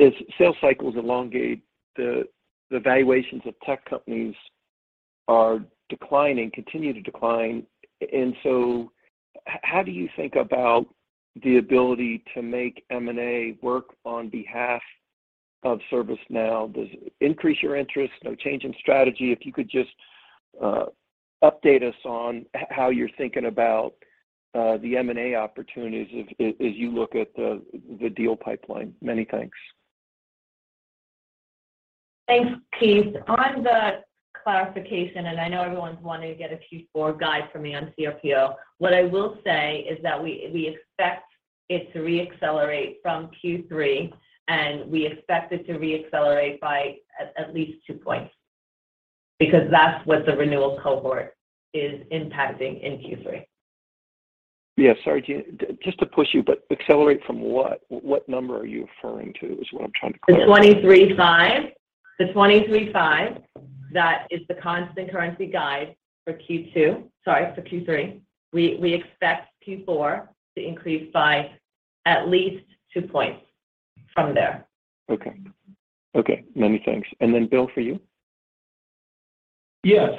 as sales cycles elongate the valuations of tech companies are declining, continue to decline. How do you think about the ability to make M&A work on behalf of ServiceNow? Does it increase your interest? No change in strategy? If you could just update us on how you're thinking about the M&A opportunities as you look at the deal pipeline. Many thanks. Thanks, Keith. On the clarification, I know everyone's wanting to get a Q4 guide from me on cRPO. What I will say is that we expect it to reaccelerate from Q3, and we expect it to reaccelerate by at least two points because that's what the renewal cohort is impacting in Q3. Yeah. Sorry, Gina. Just to push you, but accelerate from what? What number are you referring to is what I'm trying to clarify. 23.5%. That is the constant currency guide for Q3. We expect Q4 to increase by at least two points from there. Okay. Many thanks. Bill, for you? Yeah.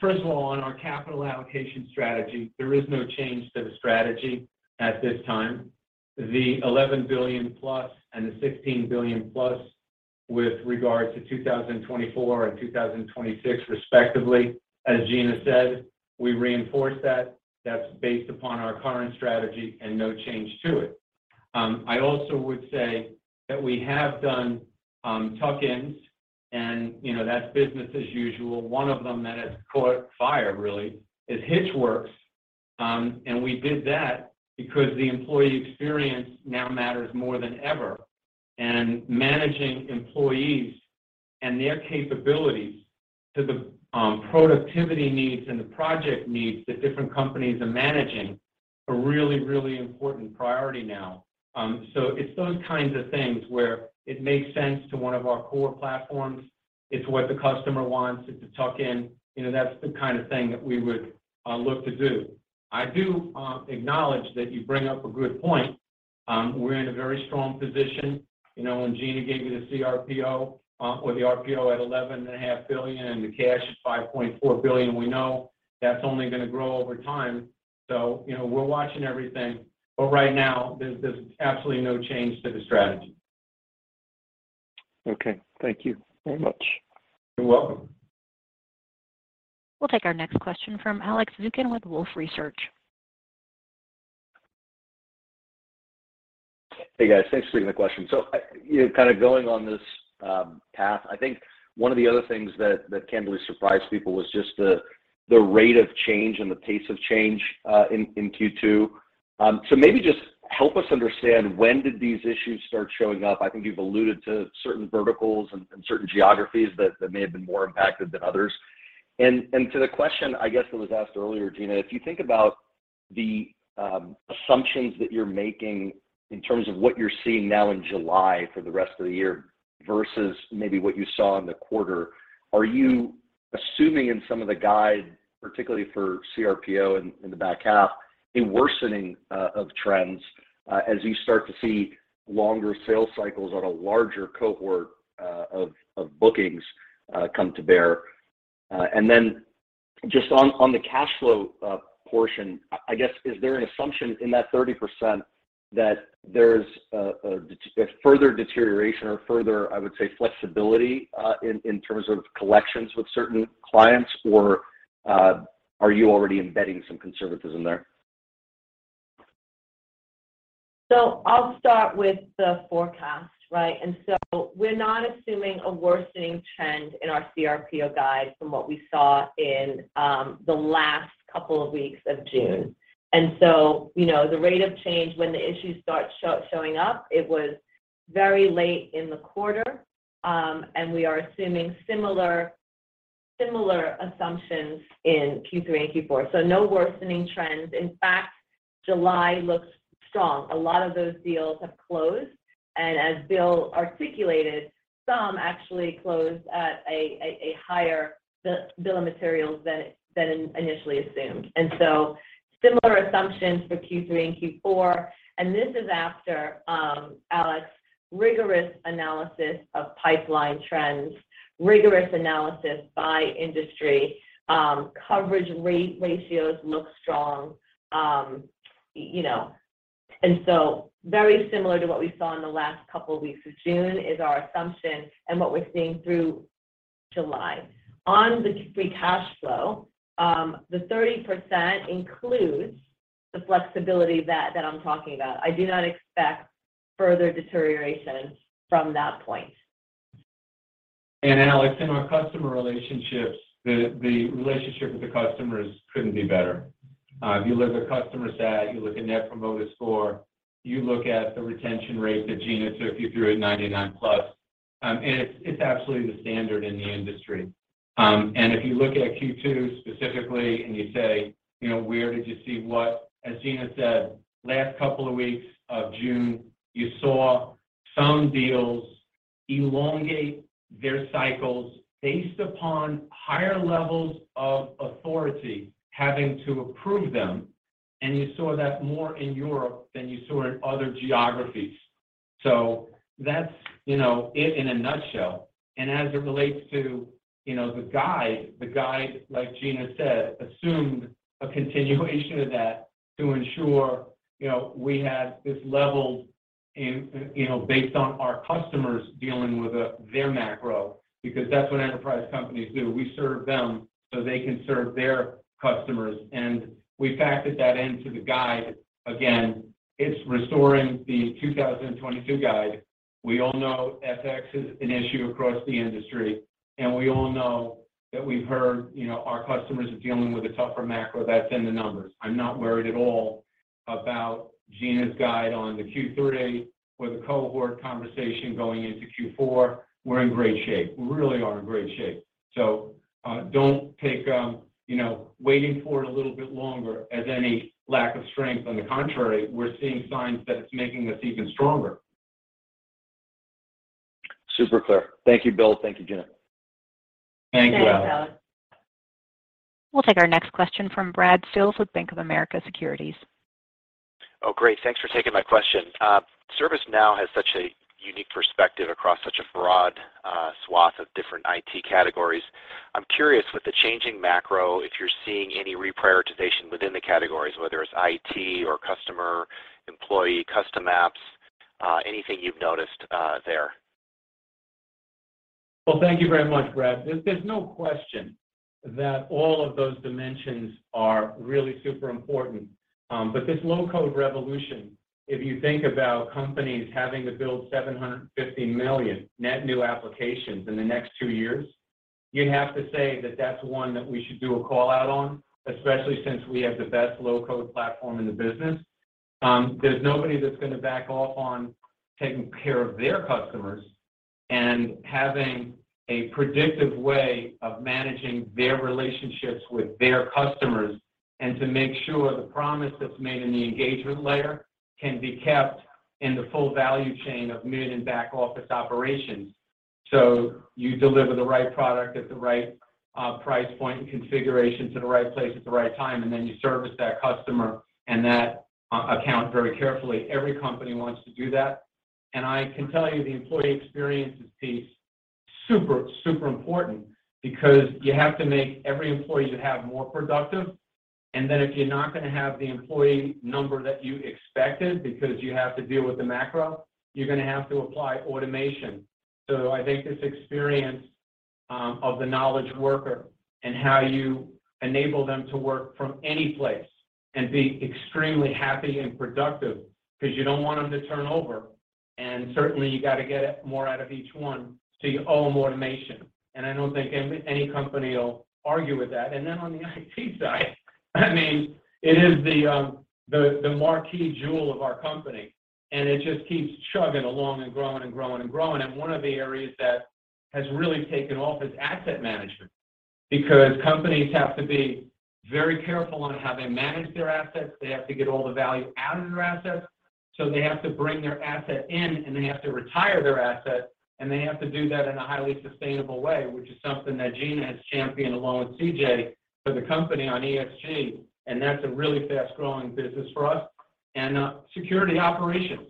First of all, on our capital allocation strategy, there is no change to the strategy at this time. The $11 billion plus and the $16 billion plus with regard to 2024 and 2026 respectively, as Gina said, we reinforce that. That's based upon our current strategy and no change to it. I also would say that we have done tuck-ins, and, you know, that's business as usual. One of them that has caught fire really is Hitch Works. We did that because the employee experience now matters more than ever. Managing employees and their capabilities to the productivity needs and the project needs that different companies are managing are really, really important priority now. It's those kinds of things where it makes sense to one of our core platforms. It's what the customer wants. It's a tuck-in. You know, that's the kind of thing that we would look to do. I do acknowledge that you bring up a good point. We're in a very strong position. You know, when Gina gave you the cRPO or the RPO at $11.5 billion, and the cash is $5.4 billion, we know that's only gonna grow over time. You know, we're watching everything, but right now there's absolutely no change to the strategy. Okay. Thank you very much. You're welcome. We'll take our next question from Alex Zukin with Wolfe Research. Hey, guys. Thanks for taking the question. You know, kind of going on this path, I think one of the other things that candidly surprised people was just the rate of change and the pace of change in Q2. Maybe just help us understand when did these issues start showing up? I think you've alluded to certain verticals and certain geographies that may have been more impacted than others. To the question, I guess, that was asked earlier, Gina, if you think about the assumptions that you're making in terms of what you're seeing now in July for the rest of the year versus maybe what you saw in the quarter, are you assuming in some of the guide, particularly for cRPO in the back half, a worsening of trends as you start to see longer sales cycles on a larger cohort of bookings come to bear? Then just on the cash flow portion, I guess, is there an assumption in that 30% that there's a further deterioration or further, I would say, flexibility in terms of collections with certain clients? Or are you already embedding some conservatism there? I'll start with the forecast, right? We're not assuming a worsening trend in our cRPO guide from what we saw in the last couple of weeks of June. The rate of change when the issues start showing up, it was very late in the quarter. We are assuming similar assumptions in Q3 and Q4. No worsening trends. In fact, July looks strong. A lot of those deals have closed. As Bill articulated, some actually closed at a higher bill of materials than initially assumed. Similar assumptions for Q3 and Q4, and this is after Alex's rigorous analysis of pipeline trends, rigorous analysis by industry, coverage ratios look strong. You know, very similar to what we saw in the last couple of weeks of June is our assumption and what we're seeing through July. On the free cash flow, the 30% includes the flexibility that I'm talking about. I do not expect further deterioration from that point. Alex, in our customer relationships, the relationship with the customers couldn't be better. If you look at customer sat, you look at net promoter score, you look at the retention rate that Gina took you through at 99% plus, and it's absolutely the standard in the industry. If you look at Q2 specifically and you say, you know, where did you see what? As Gina said, last couple of weeks of June, you saw some deals elongate their cycles based upon higher levels of authority having to approve them, and you saw that more in Europe than you saw in other geographies. That's, you know, it in a nutshell. As it relates to, you know, the guide, like Gina said, assumed a continuation of that to ensure, you know, we had this level in, you know, based on our customers dealing with their macro, because that's what enterprise companies do. We serve them so they can serve their customers. We factored that into the guide. Again, it's restoring the 2022 guide. We all know FX is an issue across the industry, and we all know that we've heard, you know, our customers are dealing with a tougher macro that's in the numbers. I'm not worried at all about Gina's guide on the Q3 or the cohort conversation going into Q4. We're in great shape. We really are in great shape. Don't take, you know, waiting for it a little bit longer as any lack of strength. On the contrary, we're seeing signs that it's making us even stronger. Super clear. Thank you, Bill. Thank you, Gina. Thank you, Alex. Thanks, Alex. We'll take our next question from Brad Sills with Bank of America Securities. Oh, great. Thanks for taking my question. ServiceNow has such a unique perspective across such a broad swath of different IT categories. I'm curious with the changing macro, if you're seeing any reprioritization within the categories, whether it's IT or customer, employee, custom apps, anything you've noticed, there. Well, thank you very much, Brad. There's no question that all of those dimensions are really super important. This low-code revolution, if you think about companies having to build 750 million net new applications in the next two years, you have to say that that's one that we should do a call-out on, especially since we have the best low-code platform in the business. There's nobody that's going to back off on taking care of their customers and having a predictive way of managing their relationships with their customers, and to make sure the promise that's made in the engagement layer can be kept in the full value chain of mid and back-office operations. You deliver the right product at the right price point and configuration to the right place at the right time, and then you service that customer and that account very carefully. Every company wants to do that. I can tell you the employee experiences piece, super important because you have to make every employee you have more productive. If you're not going to have the employee number that you expected because you have to deal with the macro, you're going to have to apply automation. I think this experience of the knowledge worker and how you enable them to work from any place and be extremely happy and productive because you don't want them to turn over. Certainly, you got to get more out of each one, so you owe them automation. I don't think any company will argue with that. Then on the IT side, I mean, it is the marquee jewel of our company, and it just keeps chugging along and growing and growing and growing. One of the areas that has really taken off is asset management, because companies have to be very careful on how they manage their assets. They have to get all the value out of their assets. They have to bring their asset in, and they have to retire their asset, and they have to do that in a highly sustainable way, which is something that Gina has championed along with CJ for the company on ESG. That's a really fast-growing business for us. Security operations.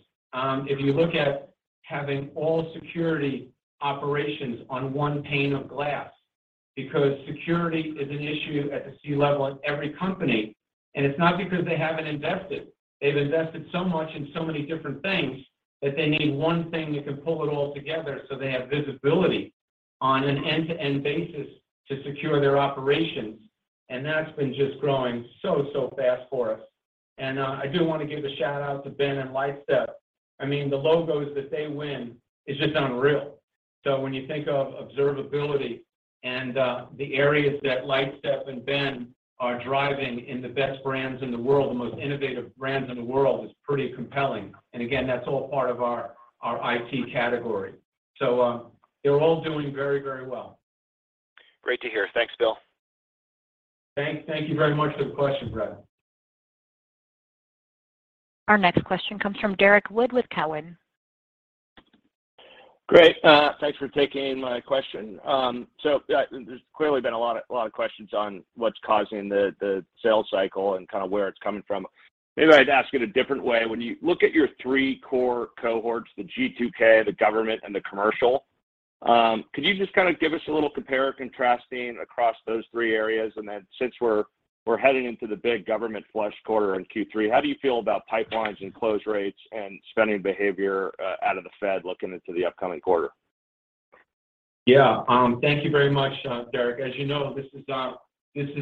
If you look at having all security operations on one pane of glass, because security is an issue at the C-level at every company. It's not because they haven't invested. They've invested so much in so many different things that they need one thing that can pull it all together, so they have visibility on an end-to-end basis to secure their operations. That's been just growing so fast for us. I do want to give a shout-out to Ben and Lightstep. I mean, the logos that they win is just unreal. So when you think of observability and the areas that Lightstep and Ben are driving in the best brands in the world, the most innovative brands in the world, is pretty compelling. That's all part of our IT category. They're all doing very, very well. Great to hear. Thanks, Bill. Thank you very much for the question, Brad. Our next question comes from Derrick Wood with TD Cowen. Great. Thanks for taking my question. So yeah, there's clearly been a lot of questions on what's causing the sales cycle and kind of where it's coming from. Maybe I'd ask it a different way. When you look at your three core cohorts, the G2K, the government, and the commercial, could you just kinda give us a little compare and contrasting across those three areas? Since we're heading into the big government flush quarter in Q3, how do you feel about pipelines and close rates and spending behavior out of the Fed looking into the upcoming quarter? Yeah. Thank you very much, Derrick. As you know, this is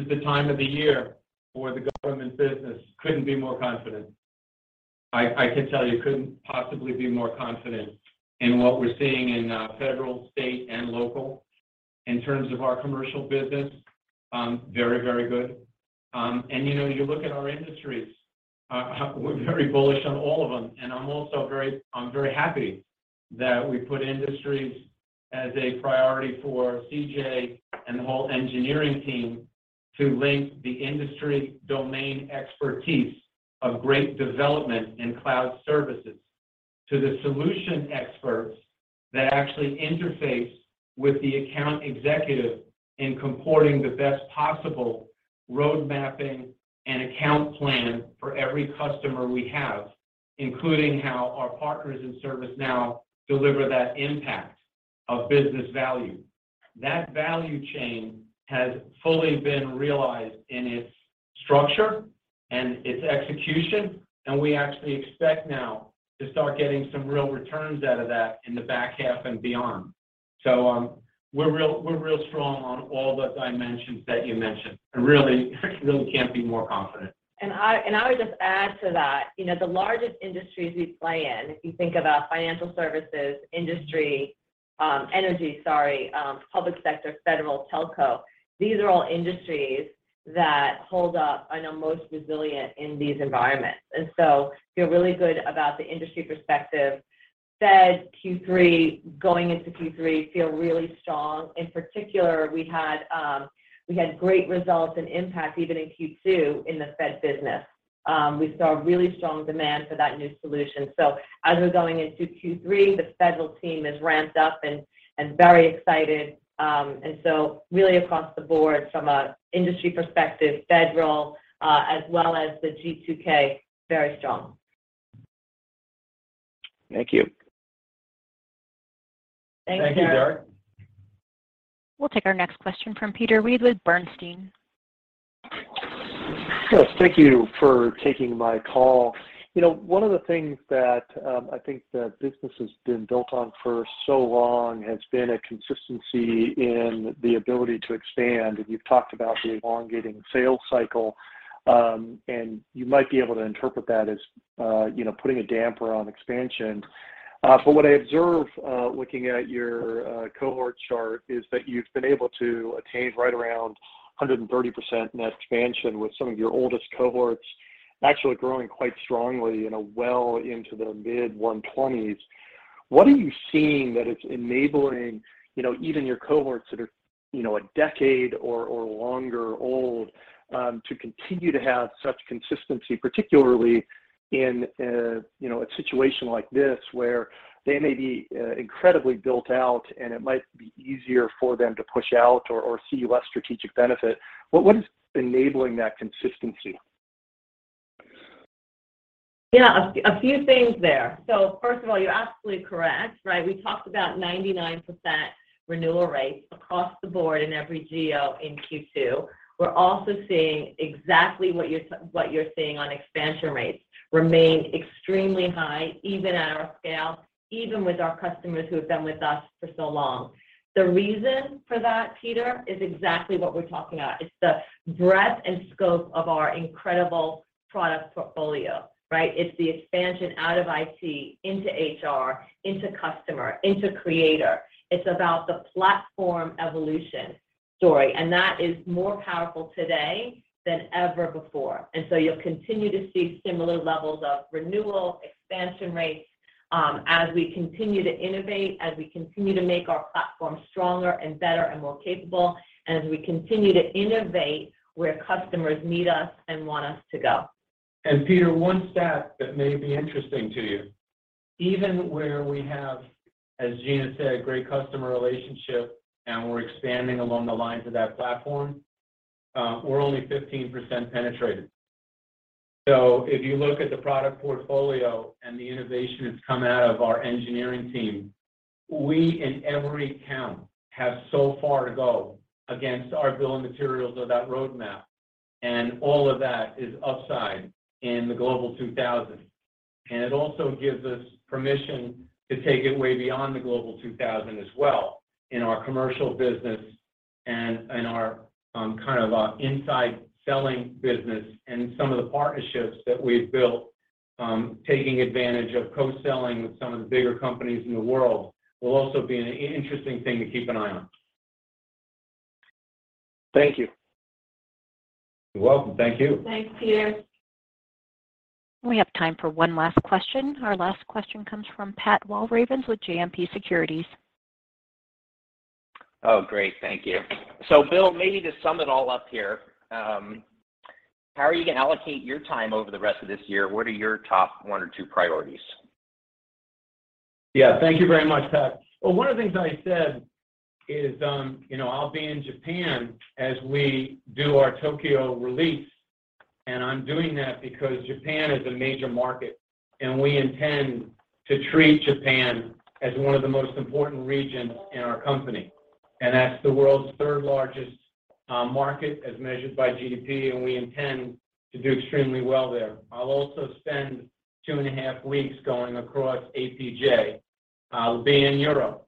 the time of the year where the government business couldn't be more confident. I could tell you couldn't possibly be more confident in what we're seeing in federal, state, and local. In terms of our commercial business, very, very good. You know, you look at our industries, we're very bullish on all of them. I'm also very happy that we put industries as a priority for CJ and the whole engineering team to link the industry domain expertise of great development in cloud services to the solution experts that actually interface with the account executive in comporting the best possible roadmapping and account plan for every customer we have, including how our partners in ServiceNow deliver that impact of business value. That value chain has fully been realized in its structure and its execution, and we actually expect now to start getting some real returns out of that in the back half and beyond. We're real strong on all the dimensions that you mentioned, and really, really can't be more confident. I would just add to that. You know, the largest industries we play in, if you think about financial services industry, energy, public sector, federal, telco, these are all industries that hold up, I know, most resilient in these environments. Feel really good about the industry perspective. Fed Q3, going into Q3, feel really strong. In particular, we had great results and Impact even in Q2 in the federal business. We saw really strong demand for that new solution. As we're going into Q3, the federal team is ramped up and very excited. Really across the board from an industry perspective, federal, as well as the G2K, very strong. Thank you. Thank you. Thank you, Derrick. We'll take our next question from Peter Weed with Bernstein. Yes. Thank you for taking my call. One of the things that I think the business has been built on for so long has been a consistency in the ability to expand. You've talked about the elongating sales cycle, and you might be able to interpret that as putting a damper on expansion. But what I observe looking at your cohort chart is that you've been able to attain right around 130% net expansion with some of your oldest cohorts actually growing quite strongly in a well into the mid-120s. What are you seeing that is enabling, you know, even your cohorts that are, you know, a decade or longer old, to continue to have such consistency, particularly in, you know, a situation like this where they may be incredibly built out, and it might be easier for them to push out or see less strategic benefit? What is enabling that consistency? Yeah. A few things there. First of all, you're absolutely correct, right? We talked about 99% renewal rates across the board in every geo in Q2. We're also seeing exactly what you're seeing on expansion rates remain extremely high, even at our scale, even with our customers who have been with us for so long. The reason for that, Peter, is exactly what we're talking about. It's the breadth and scope of our incredible product portfolio, right? It's the expansion out of IT into HR, into customer, into creator. It's about the platform evolution story, and that is more powerful today than ever before. You'll continue to see similar levels of renewal, expansion rates, as we continue to innovate, as we continue to make our platform stronger and better and more capable, and as we continue to innovate where customers meet us and want us to go. Peter, one stat that may be interesting to you, even where we have, as Gina said, a great customer relationship, and we're expanding along the lines of that platform, we're only 15% penetrated. If you look at the product portfolio and the innovation that's come out of our engineering team, we, in every count, have so far to go against our bill of materials or that roadmap, and all of that is upside in the Global 2000. It also gives us permission to take it way beyond the Global 2000 as well in our commercial business and in our, kind of, inside selling business. Some of the partnerships that we've built, taking advantage of co-selling with some of the bigger companies in the world will also be an interesting thing to keep an eye on. Thank you. You're welcome. Thank you. Thanks, Peter. We have time for one last question. Our last question comes from Pat Walravens with JMP Securities. Oh, great. Thank you. Bill, maybe to sum it all up here, how are you gonna allocate your time over the rest of this year? What are your top one or two priorities? Yeah. Thank you very much, Pat. Well, one of the things I said is, you know, I'll be in Japan as we do our Tokyo release, and I'm doing that because Japan is a major market, and we intend to treat Japan as one of the most important regions in our company. That's the world's third-largest market as measured by GDP, and we intend to do extremely well there. I'll also spend two and a half weeks going across APJ. I'll be in Europe,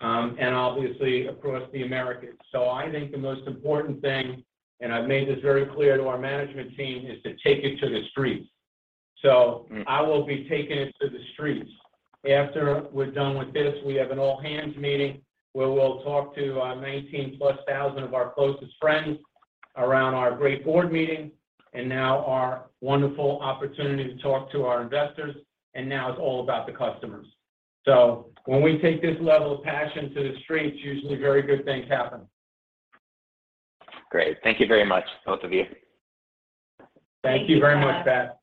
and obviously across the Americas. I think the most important thing, and I've made this very clear to our management team, is to take it to the streets. I will be taking it to the streets. After we're done with this, we have an all-hands meeting where we'll talk to 19,000+ of our closest friends around our great board meeting and now our wonderful opportunity to talk to our investors, and now it's all about the customers. When we take this level of passion to the streets, usually very good things happen. Great. Thank you very much, both of you. Thank you very much, Pat.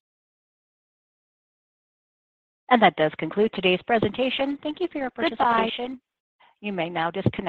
Thank you, Pat. That does conclude today's presentation. Thank you for your participation. Goodbye. You may now disconnect.